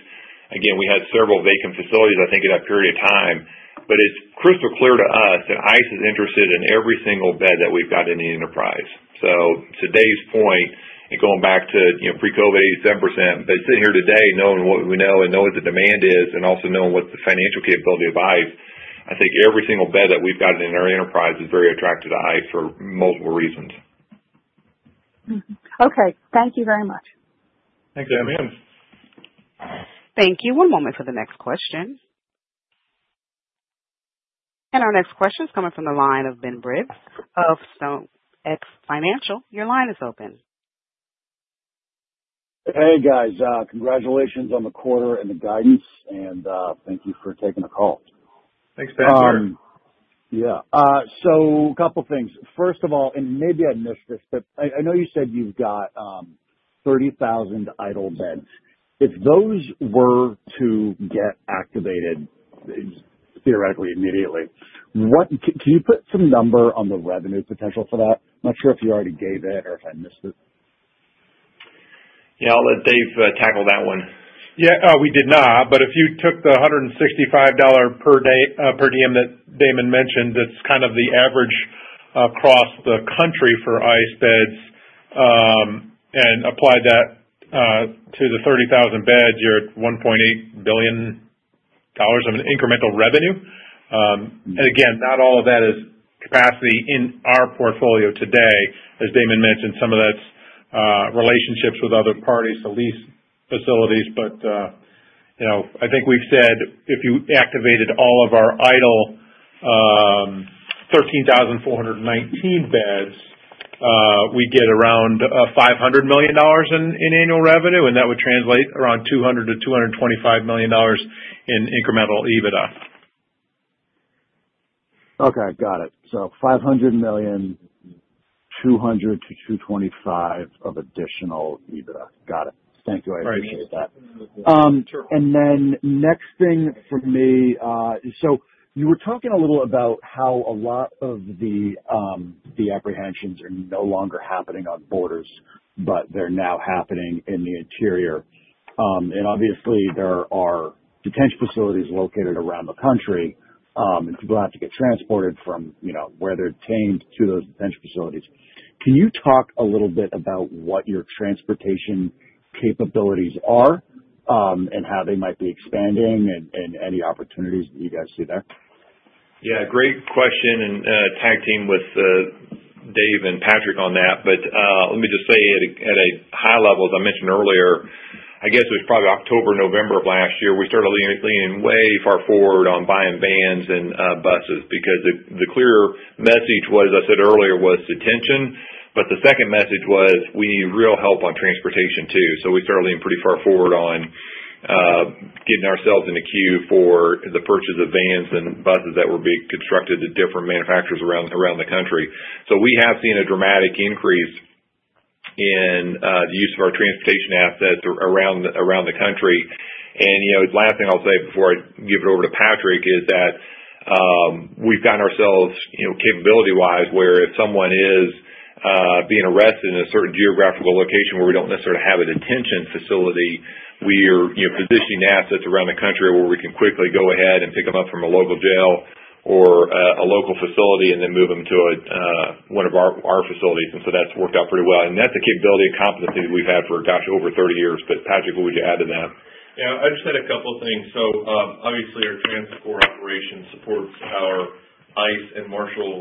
We had several vacant facilities, I think, in that period of time. It is crystal clear to us that ICE is interested in every single bed that we've got in the enterprise. To Dave's point, and going back to pre-COVID 87%, they sit here today knowing what we know and know what the demand is and also knowing what the financial capability of ICE. I think every single bed that we've got in our enterprise is very attractive to ICE for multiple reasons. Okay, thank you very much. Thanks, Damon. Thank you. One moment for the next question. Our next question is coming from the line of Greg Gibas of StoneX Financial. Your line is open. Hey, guys. Congratulations on the quarter and the guidance, and thank you for taking the call. Thanks, Briggs. Yeah, a couple of things. First of all, in mid-administer, I know you said you've got 30,000 idle beds. If those were to get activated, theoretically, immediately, can you put some number on the revenue potential for that? I'm not sure if you already gave it or if I missed it. Yeah, I'll let Dave tackle that one. Yeah. We did not. If you took the $165 per day per diem that Damon mentioned, that's kind of the average across the country for ICE beds, and applied that to the 30,000 beds, you're at $1.8 billion of incremental revenue. Again, not all of that is capacity in our portfolio today. As Damon mentioned, some of that's relationships with other parties, the lease facilities. I think we've said if you activated all of our idle 13,419 beds, we get around $500 million in annual revenue, and that would translate around $200 to $225 million in incremental EBITDA. Okay. Got it. $500 million, $200 to $225 of additional EBITDA. Got it. Thank you. I appreciate that. True. You were talking a little about how a lot of the apprehensions are no longer happening on borders, but they're now happening in the interior. Obviously, there are detention facilities located around the country, and people have to get transported from, you know, where they're detained to those detention facilities. Can you talk a little bit about what your transportation capabilities are, how they might be expanding, and any opportunities that you guys see there? Yeah, great question. I will tag team with Dave and Patrick on that. Let me just say at a high level, as I mentioned earlier, I guess it was probably October or November of last year, we started leaning way far forward on buying vans and buses because the clear message was, as I said earlier was detention. The second message was we need real help on transportation too, so we started leaning pretty far forward on getting ourselves in the queue for the purchase of vans and buses that were being constructed at different manufacturers around the country. We have seen a dramatic increase in the use of our transportation assets around the country. The last thing I'll say before I give it over to Patrick is that we've found ourselves, capability-wise, where if someone is being arrested in a certain geographical location where we don't necessarily have a detention facility, we are positioning the assets around the country where we can quickly go ahead and pick them up from a local jail or a local facility and then move them to one of our facilities. That's worked out pretty well. That's a capability of competency that we've had for over 30 years. Patrick, what would you add to that? Yeah, I just had a couple of things. Obviously, our transport operation supports our ICE and Marshall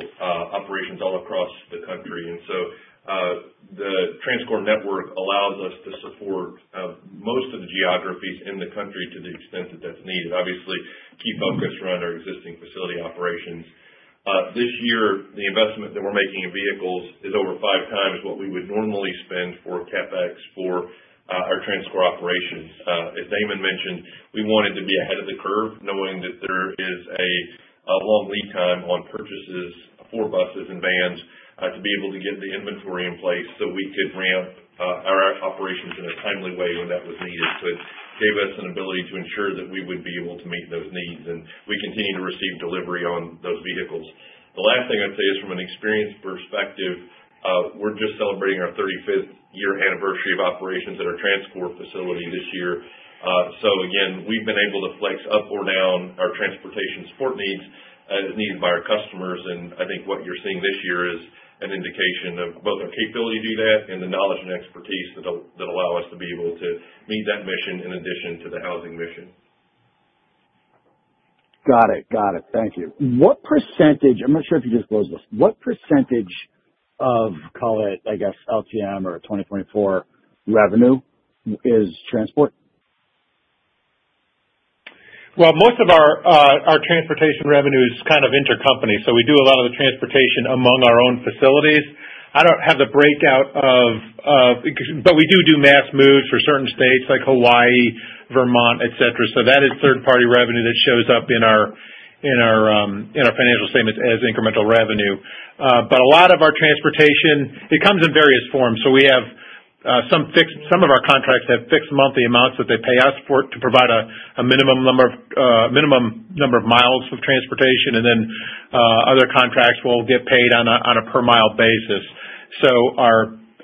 operations all across the country. The transport network allows us to support most of the geographies in the country to the extent that that's needed. Obviously, keep up gets around our existing facility operations. This year, the investment that we're making in vehicles is over five times what we would normally spend for CapEx for our transport operations. As Damon mentioned, we wanted to be ahead of the curve, knowing that there is a long lead time on purchases for buses and vans to be able to get the inventory in place so we could ramp our operations in a timely way when that was needed. It gave us an ability to ensure that we would be able to meet those needs. We continue to receive delivery on those vehicles. The last thing I'd say is from an experience perspective, we're just celebrating our 35th year anniversary of operations at our transport facility this year, so again we've been able to flex up or down our transportation support needs as needed by our customers. I think what you're seeing this year is an indication of both our capability to do that and the knowledge and expertise that allow us to be able to meet that mission in addition to the housing mission. Got it. Got it. Thank you. What percentage, I'm not sure if you just wrote this, what percentage of, call it, I guess, LTM or 2024 revenue is transport? Most of our transportation revenue is kind of intercompany. We do a lot of the transportation among our own facilities. I don't have the breakout, but we do mass moves for certain states like Hawaii, Vermont, etc. That is third-party revenue that shows up in our financial statements as incremental revenue. A lot of our transportation comes in various forms. Some of our contracts have fixed monthly amounts that they pay us to provide a minimum number of miles of transportation. Other contracts will get paid on a per-mile basis.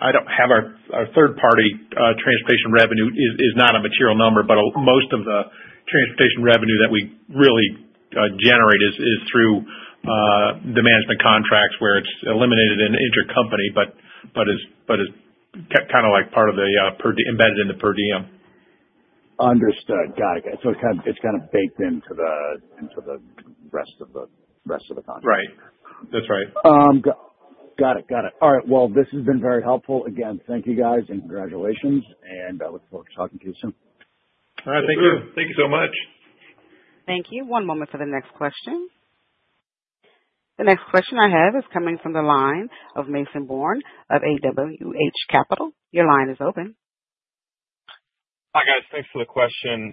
I don't have our third-party transportation revenue; it is not a material number, but most of the transportation revenue that we really generate is through the management contracts where it's eliminated in intercompany, but is kind of like part of the per diem. Understood. Got it. It's kind of baked into the rest of the contract. Right, that's right. Got it. Got it. All right, this has been very helpful. Again, thank you guys and congratulations. I look forward to talking to you soon. All right. Thank you. Thank you so much. Thank you. One moment for the next question. The next question I have is coming from the line of Mason Bourne of AWH Capital. Your line is open. Hi, guys. Thanks for the question.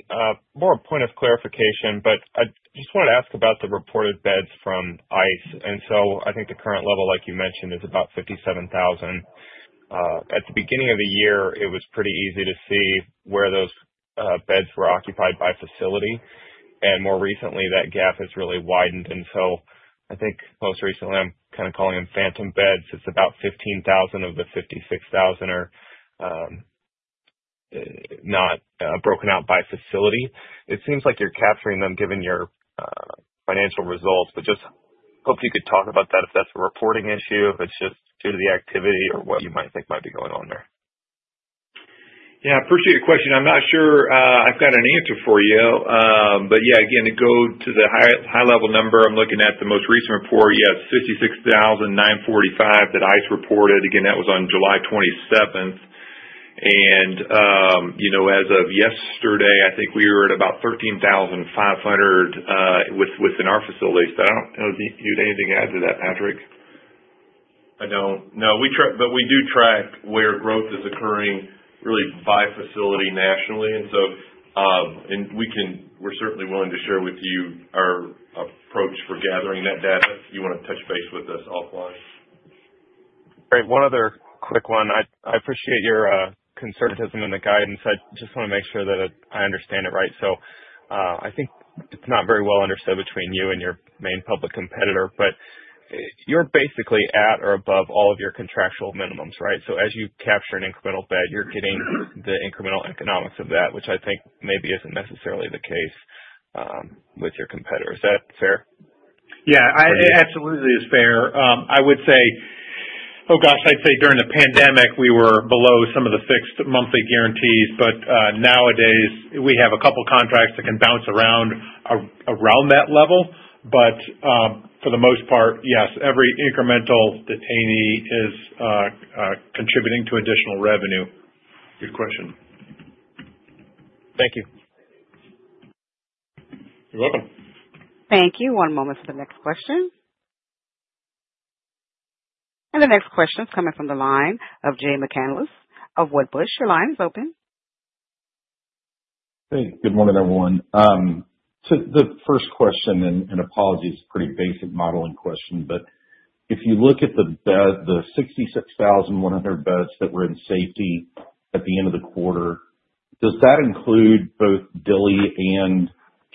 More of a point of clarification, but I just wanted to ask about the reported beds from ICE. I think the current level, like you mentioned, is about 57,000. At the beginning of the year, it was pretty easy to see where those beds were occupied by facility. More recently, that gap has really widened. I think most recently, I'm kind of calling them phantom beds. It's about 15,000 of the 56,000 are not broken out by facility. It seems like you're capturing them given your financial results, but just hope you could talk about that if that's a reporting issue, if it's just due to the activity or what you might think might be going on there. Yeah, I appreciate your question. I'm not sure I've got an answer for you. Yeah, again, to go to the high-level number, I'm looking at the most recent report. You have 56,945 that ICE reported. That was on July 27th. You know, as of yesterday, I think we were at about 13,500 within our facilities. I don't know if you need anything to add to that, Patrick. I don't. we track, but we do track where growth is occurring really by facility nationally, and we can, we're certainly willing to share with you our approach for gathering that data if you want to touch base with us offline. All right. One other quick one. I appreciate your concertedness and the guidance. I just want to make sure that I understand it right. I think it's not very well understood between you and your main public competitor, but you're basically at or above all of your contractual minimums, right? As you capture an incremental bed, you're getting the incremental economics of that, which I think maybe isn't necessarily the case with your competitors. Is that fair? Yeah, it absolutely is fair. I would say during the pandemic, we were below some of the fixed monthly guarantees. Nowadays, we have a couple of contracts that can bounce around that level. For the most part, yes, every incremental detainee is contributing to additional revenue. Good question. Thank you. You're welcome. Thank you. One moment for the next question. The next question is coming from the line of Jay McCanless of Wedbush. Your line is open. Hey, good morning, everyone. The first question, and apologies, a pretty basic modeling question, but if you look at the 66,100 beds that were in safety at the end of the quarter, does that include both Dilley and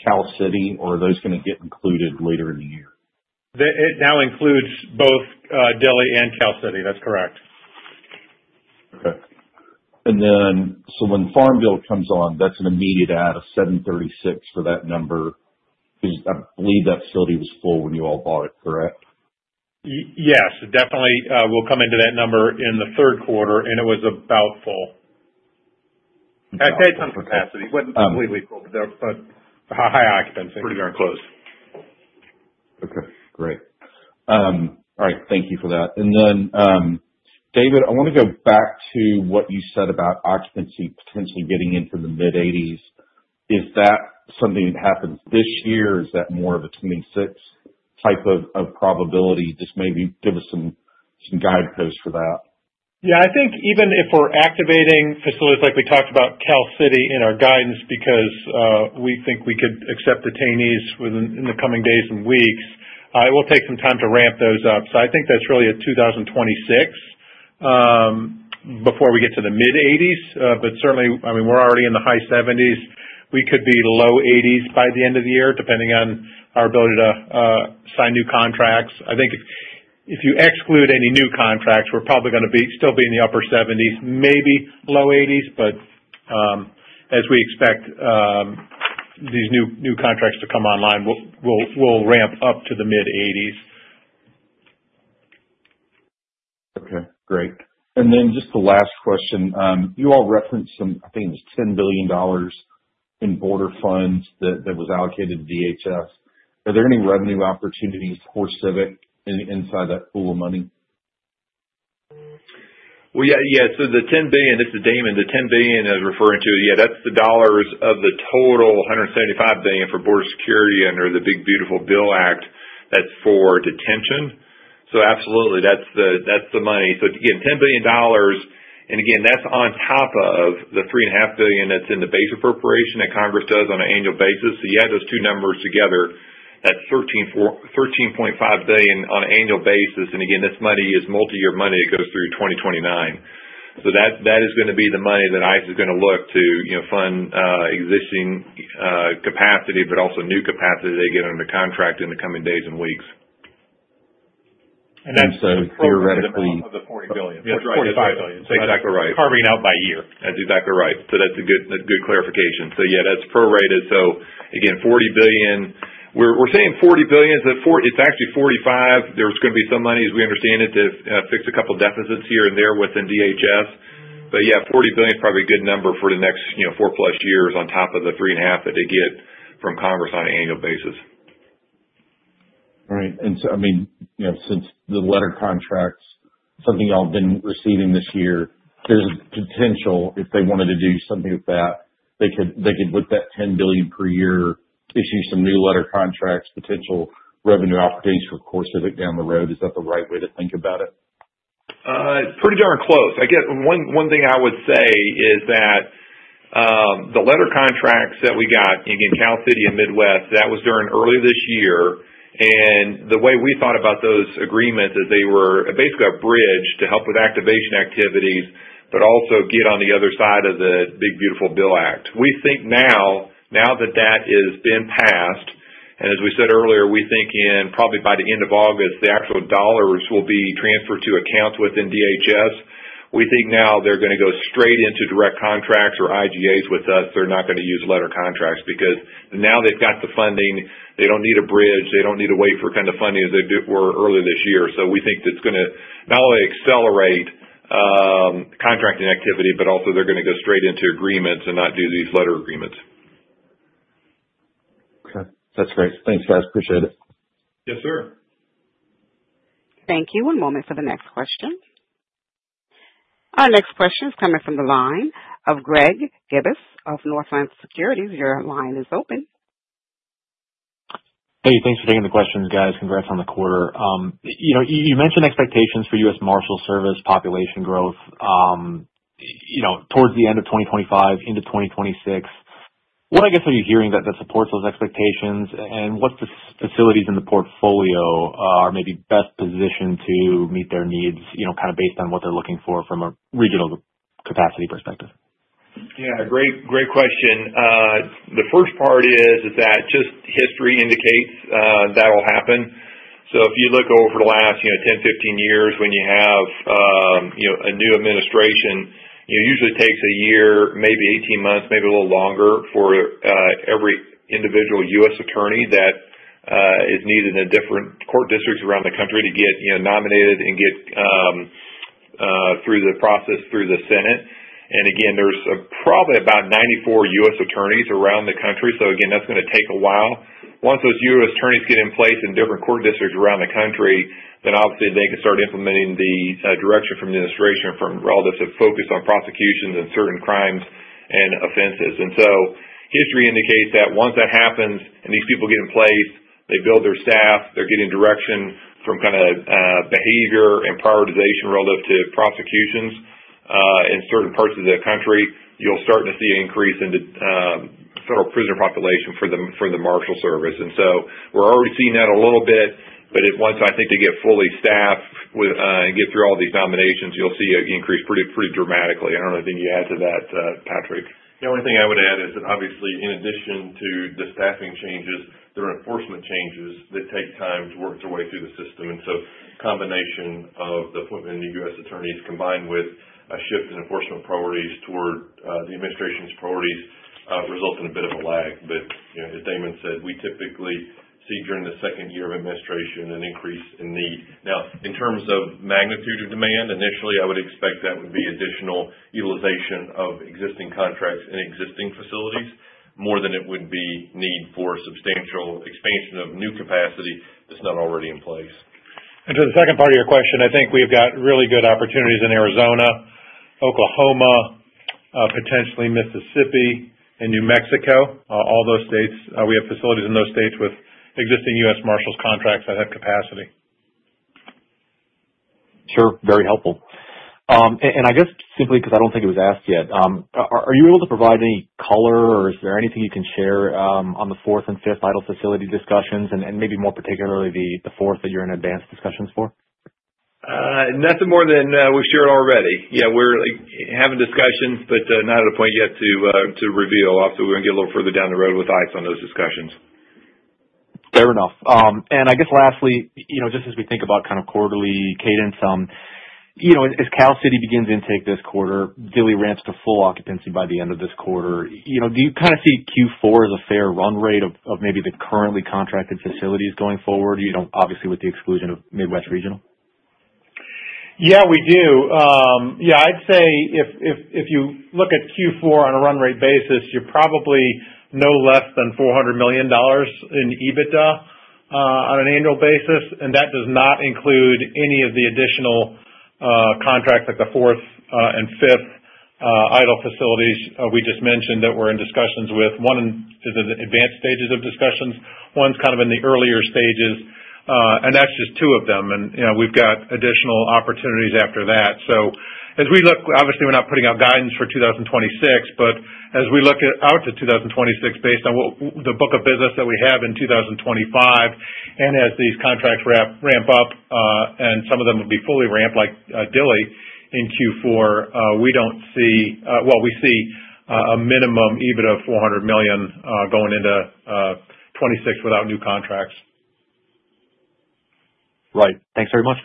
California City, or are those going to get included later in the year? It now includes both Dilley and California City. That's correct. Okay. When Farmville comes on, that's an immediate add of 736 for that number because I believe that facility was full when you all bought it, correct? Yes, it definitely will come into that number in the third quarter, and it was about full back then, some capacity. It wasn't completely full, but high occupancy. Pretty darn close. Okay, great. All right. Thank you for that. David, I want to go back to what you said about occupancy potentially getting into the mid-80%. Is that something that happens this year? Is that more of a 2026 type of probability? Maybe give us some guideposts for that. Yeah, I think even if we're activating facilities like we talked about California City in our guidance because we think we could accept detainees in the coming days and weeks, it will take some time to ramp those up. I think that's really a 2026 before we get to the mid-80s. Certainly, I mean, we're already in the high 70s. We could be low 80s by the end of the year, depending on our ability to sign new contracts. I think if you exclude any new contracts, we're probably going to still be in the upper 70s, maybe low 80s. As we expect these new contracts to come online, we'll ramp up to the mid-80s. Okay, great. Just the last question. You all referenced some, I think it was $10 billion in border funds that was allocated to the Department of Homeland Security. Are there any revenue opportunities for CoreCivic inside that pool of money? The $10 billion, this is Damon. The $10 billion I was referring to, that's the dollars of the total $175 billion for border security under the One Big Beautiful Bill Act that's for detention. Absolutely, that's the money. $10 billion. That's on top of the $3.5 billion that's in the base appropriation that Congress does on an annual basis. You add those two numbers together, that's $13.5 billion on an annual basis. This money is multi-year money that goes through 2029. That is going to be the money that ICE is going to look to, you know, fund existing capacity, but also new capacity they get under contract in the coming days and weeks. Theoretically, it's $45 billion. Exactly right. Carving out by year. That's exactly right. That's a good clarification. Yeah, that's prorated. Again, $40 billion. We're saying $40 billion. It's actually $45 billion. There's going to be some money, as we understand it, to fix a couple of deficits here and there within the DHS. Yeah, $40 billion is probably a good number for the next four-plus years on top of the $3.5 billion that they get from Congress on an annual basis. Right. Since the letter contracts, something y'all have been receiving this year, there's a potential if they wanted to do something with that, they could, they could with that $10 billion per year, issue some new letter contracts, potential revenue opportunities for CoreCivic down the road. Is that the right way to think about it? Pretty darn close. I guess one thing I would say is that the letter contracts that we got in California City and Midwest, that was during early this year. The way we thought about those agreements is they were basically a bridge to help with activation activities, but also get on the other side of the One Big Beautiful Bill Act. We think now, now that that has been passed, and as we said earlier, we think probably by the end of August, the actual dollars will be transferred to accounts within the Department of Homeland Security. We think now they're going to go straight into direct contracts or IGAs with us. They're not going to use letter contracts because now they've got the funding. They don't need a bridge. They don't need to wait for kind of funding as they were earlier this year. We think that's going to not only accelerate contracting activity, but also they're going to go straight into agreements and not do these letter agreements. Okay. That's great. Thanks, last appreciate it. Yes, sir. Thank you. One moment for the next question. Our next question is coming from the line of Greg Gibas of Northland Securities. Your line is open. Hey, thanks for taking the questions, guys. Congrats on the quarter. You mentioned expectations for U.S. Marshals Service population growth towards the end of 2025, into 2026. What are you hearing that supports those expectations? What facilities in the portfolio are maybe best positioned to meet their needs, kind of based on what they're looking for from a regional capacity perspective? Yeah, great question. The first part is that just history indicates that will happen. If you look over the last 10, 15 years, when you have a new administration, it usually takes a year, maybe 18 months, maybe a little longer for every individual U.S. attorney that is needed in different court districts around the country to get nominated and get through the process through the Senate. There's probably about 94 U.S. attorneys around the country. That's going to take a while. Once those U.S. attorneys get in place in different court districts around the country, they can start implementing the direction from the administration relative to focus on prosecutions and certain crimes and offenses. History indicates that once that happens and these people get in place, they build their staff, they're getting direction from kind of behavior and prioritization relative to prosecutions in certain parts of the country, you'll start to see an increase in the federal prisoner population for the Marshall service. We're already seeing that a little bit, but once I think they get fully staffed and get through all these nominations, you'll see an increase pretty dramatically. I don't know anything you add to that, Patrick. The only thing I would add is that obviously, in addition to the staffing changes, there are enforcement changes that take time to work their way through the system. A combination of the appointment of the U.S. attorneys combined with a shift in enforcement priorities toward the administration's priorities result in a bit of a lag. As Damon said, we typically see during the second year of administration an increase in need. Now, in terms of magnitude of demand, initially, I would expect that would be additional utilization of existing contracts in existing facilities more than it would be need for substantial expansion of new capacity that's not already in place. To the second part of your question, I think we've got really good opportunities in Arizona, Oklahoma, potentially Mississippi, and New Mexico. All those states, we have facilities in those states with existing U.S. Marshals contracts that have capacity. Sure. Very helpful. I guess simply because I don't think it was asked yet, are you able to provide any color or is there anything you can share on the fourth and fifth idle facility discussions, and maybe more particularly the fourth that you're in advanced discussions for? Nothing more than we shared already. You know, we're having discussions, but not at a point yet to reveal. Obviously, we're going to get a little further down the road with ICE on those discussions. Fair enough. I guess lastly, just as we think about kind of quarterly cadence, as California City begins intake this quarter and Dilley ramps to full occupancy by the end of this quarter, do you kind of see Q4 as a fair run rate of maybe the currently contracted facilities going forward, obviously with the exclusion of Midwest Regional. Yeah, we do. I'd say if you look at Q4 on a run rate basis, you're probably no less than $400 million in EBITDA on an annual basis. That does not include any of the additional contracts at the fourth and fifth idle facilities we just mentioned that we're in discussions with. One is in the advanced stages of discussions. One's kind of in the earlier stages. That's just two of them. You know, we've got additional opportunities after that. As we look, obviously, we're not putting out guidance for 2026, but as we look out to 2026, based on what the book of business that we have in 2025, and as these contracts ramp up, and some of them will be fully ramped like Dilley in Q4, we see a minimum EBITDA of $400 million going into 2026 without new contracts. Right. Thanks very much.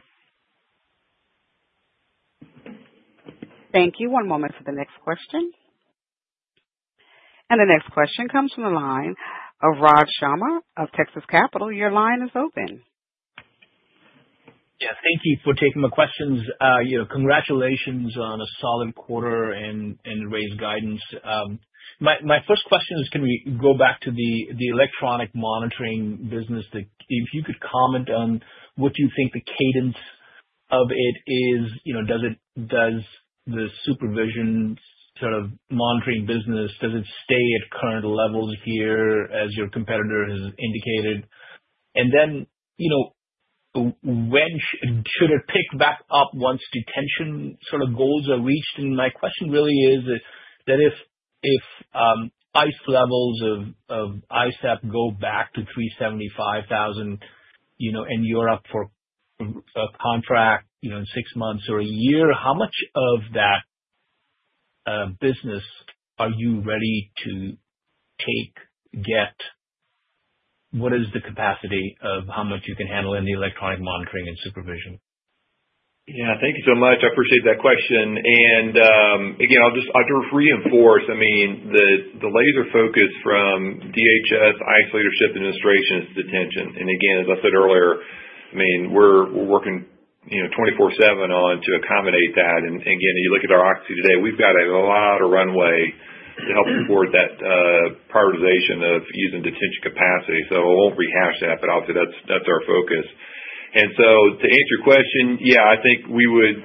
Thank you. One moment for the next question. The next question comes from the line of Raj Sharma of Texas Capital. Your line is open. Yeah, thank you for taking the questions. Congratulations on a solid quarter and raised guidance. My first question is, can we go back to the electronic monitoring business? If you could comment on what do you think the cadence of it is? Does the supervision sort of monitoring business stay at current levels here as your competitor has indicated? When should it pick back up once detention sort of goals are reached? My question really is that if ICE levels of ISAP go back to 375,000, and you're up for a contract in six months or a year, how much of that business are you ready to get? What is the capacity of how much you can handle in the electronic monitoring and supervision? Thank you so much. I appreciate that question. I can reinforce, the laser focus from the Department of Homeland Security, ICE leadership, and administration is detention. As I said earlier, we're working 24/7 to accommodate that. You look at our occupancy today, we've got a lot of runway to help support that prioritization of using detention capacity. I won't rehash that, but obviously, that's our focus. To answer your question, I think we would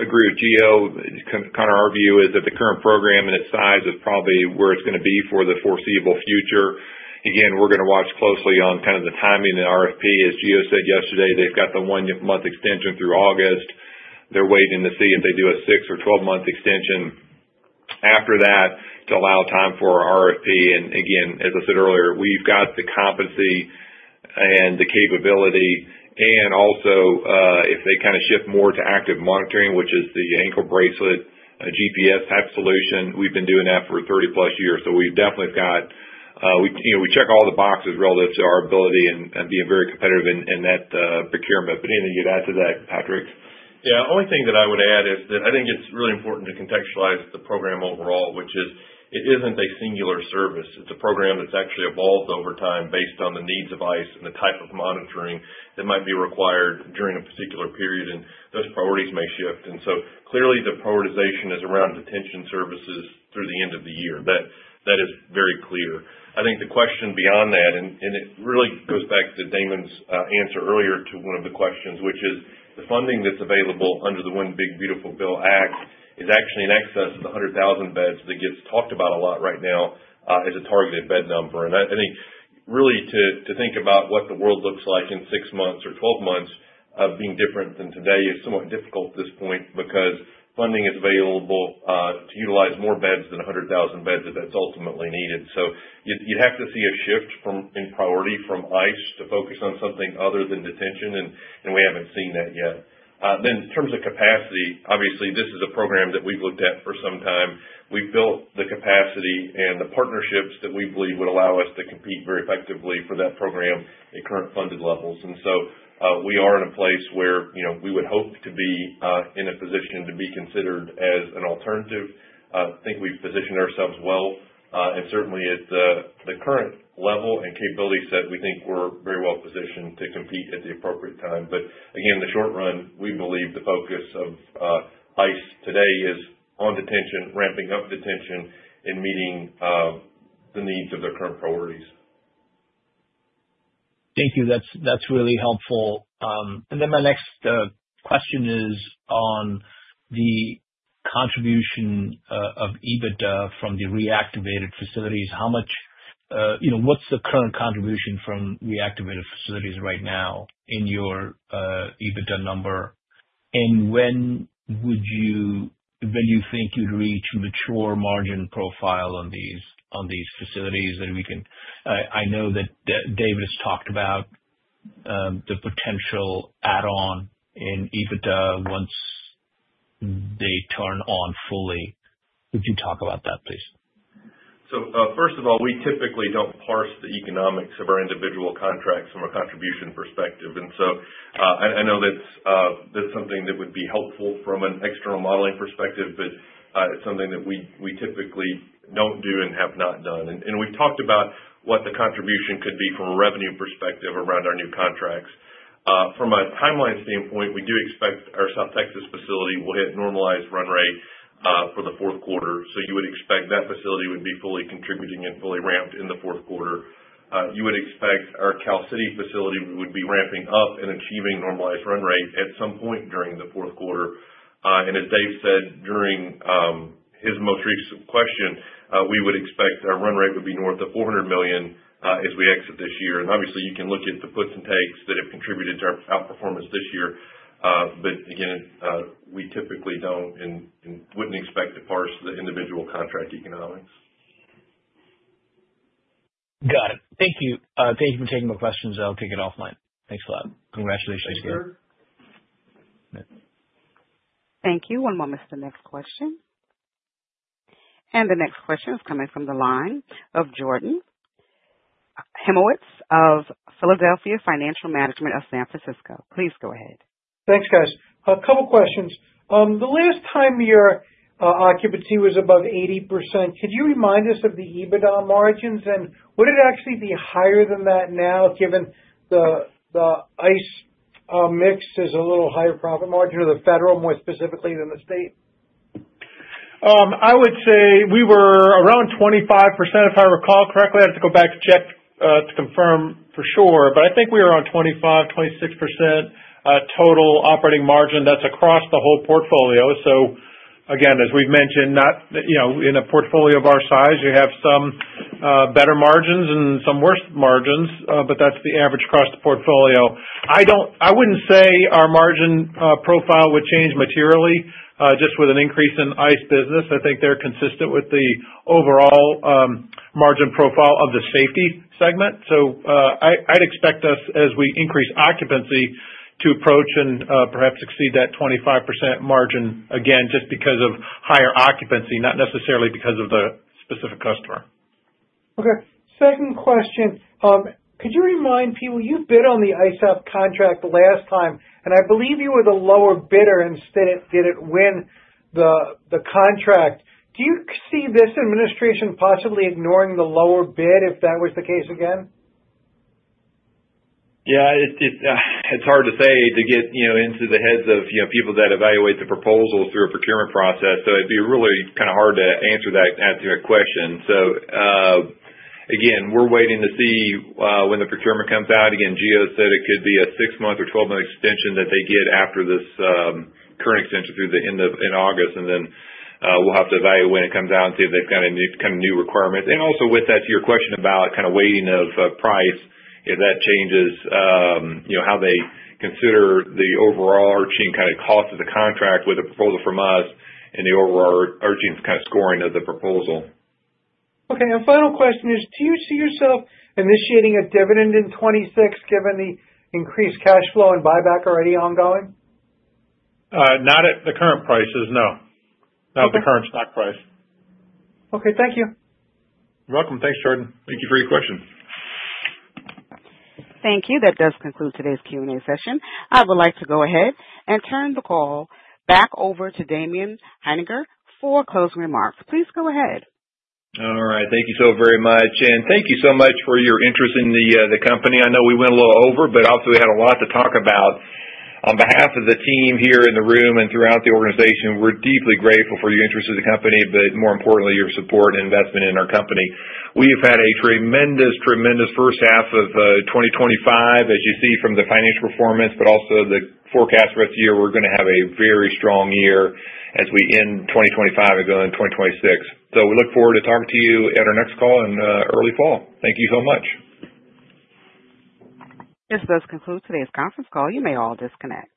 agree with GEO. Our view is that the current program and its size is probably where it's going to be for the foreseeable future. We're going to watch closely on the timing and RFP. As GEO said yesterday, they've got the one-month extension through August. They're waiting to see if they do a 6 or 12-month extension after that to allow time for an RFP. As I said earlier, we've got the competency and the capability. Also, if they shift more to active monitoring, which is the ankle bracelet GPS type solution, we've been doing that for 30-plus years. We definitely have got, we check all the boxes relative to our ability and being very competitive in that procurement. Anything you'd add to that, Patrick? Yeah, the only thing that I would add is that I think it's really important to contextualize the program overall, which is it isn't a singular service. It's a program that's actually evolved over time based on the needs of ICE and the type of monitoring that might be required during a particular period. Those priorities may shift. Clearly, the prioritization is around detention services through the end of the year. That is very clear. I think the question beyond that, and it really goes back to Damon's answer earlier to one of the questions, is the funding that's available under the One Big Beautiful Bill Act is actually in excess of the 100,000 beds that gets talked about a lot right now as a targeted bed number. I think really to think about what the world looks like in 6 months or 12 months being different than today is somewhat difficult at this point because funding is available to utilize more beds than 100,000 beds if that's ultimately needed. You'd have to see a shift in priority from ICE to focus on something other than detention, and we haven't seen that yet. In terms of capacity, obviously, this is a program that we've looked at for some time. We've built the capacity and the partnerships that we believe would allow us to compete very effectively for that program at current funded levels. We are in a place where, you know, we would hope to be in a position to be considered as an alternative. I think we've positioned ourselves well. Certainly, at the current level and capability set, we think we're very well positioned to compete at the appropriate time. Again, in the short run, we believe the focus of ICE today is on detention, ramping up detention, and meeting the needs of their current priorities. Thank you. That's really helpful. My next question is on the contribution of EBITDA from the reactivated facilities. How much, you know, what's the current contribution from reactivated facilities right now in your EBITDA number? When would you think you'd reach mature margin profile on these facilities that we can? I know that David has talked about the potential add-on in EBITDA once they turn on fully. If you can talk about that, please. First of all we typically don't parse the economics of our individual contracts from a contribution perspective. I know that's something that would be helpful from an external modeling perspective, but it's something that we typically don't do and have not done. We've talked about what the contribution could be from a revenue perspective around our new contracts. From a timeline standpoint, we do expect our South Texas facility will get normalized run rate for the fourth quarter. You would expect that facility would be fully contributing and fully ramped in the fourth quarter. You would expect our California City facility would be ramping up and achieving normalized run rate at some point during the fourth quarter. As Dave said during his most recent question, we would expect our run rate would be north of $400 million as we exit this year. Obviously, you can look at the puts and takes that have contributed to our outperformance this year. Again, we typically don't and wouldn't expect to parse the individual contract economics. Got it. Thank you. Thank you for taking the questions. I'll take it offline. Thanks a lot. Congratulations again. Sure. Thank you. One moment for the next question. The next question is coming from the line of Jordan Hymowitz of Philadelphia Financial Management of San Francisco. Please go ahead. Thanks, guys. A couple of questions. The last time your occupancy was above 80%, could you remind us of the EBITDA margins? Would it actually be higher than that now given the ICE mix is a little higher profit margin or the federal more specifically than the state? I would say we were around 25% if I recall correctly. I'd have to go back to check to confirm for sure. I think we were around 25%, 26% total operating margin, that's across the whole portfolio. As we've mentioned, in a portfolio of our size, you have some better margins and some worse margins, but that's the average across the portfolio. I wouldn't say our margin profile would change materially just with an increase in ICE business. I think they're consistent with the overall margin profile of the safety segment. I'd expect us, as we increase occupancy, to approach and perhaps exceed that 25% margin again, just because of higher occupancy, not necessarily because of the specific customer. Okay. Second question. Could you remind people, you bid on the ICE app contract last time, and I believe you were the lower bidder and didn't win the contract. Do you see this administration possibly ignoring the lower bid if that was the case again? Yeah, it's hard to say to get into the heads of people that evaluate the proposal through a procurement process. It'd be really kind of hard to answer that question. We're waiting to see when the procurement comes out. GEO said it could be a 6-month or 12-month extension that they get after this current extension through the end of August. We'll have to evaluate when it comes down to that kind of new requirements. Also, to your question about weighting of price, if that changes how they consider the overall arching kind of cost of the contract with a proposal from us and the overall arching kind of scoring of the proposal. Okay. Final question is, do you see yourself initiating a dividend in 2026 given the increased cash flow and buyback already ongoing? Not at the current prices, no. Not at the current stock price. Okay, thank you. You're welcome. Thanks, Jordan. Thank you for your questions. Thank you. That does conclude today's Q&A session. I would like to go ahead and turn the call back over to Damon Hininger for closing remarks. Please go ahead. All right. Thank you so very much. Thank you so much for your interest in the company. I know we went a little over, but obviously, we had a lot to talk about. On behalf of the team here in the room and throughout the organization, we're deeply grateful for your interest in the company, but more importantly, your support and investment in our company. We've had a tremendous, tremendous first half of 2025, as you see from the financial performance, but also the forecast for us here, we're going to have a very strong year as we end 2025 and go into 2026. We look forward to talking to you at our next call in early fall. Thank you so much. This does conclude today's conference call. You may all disconnect.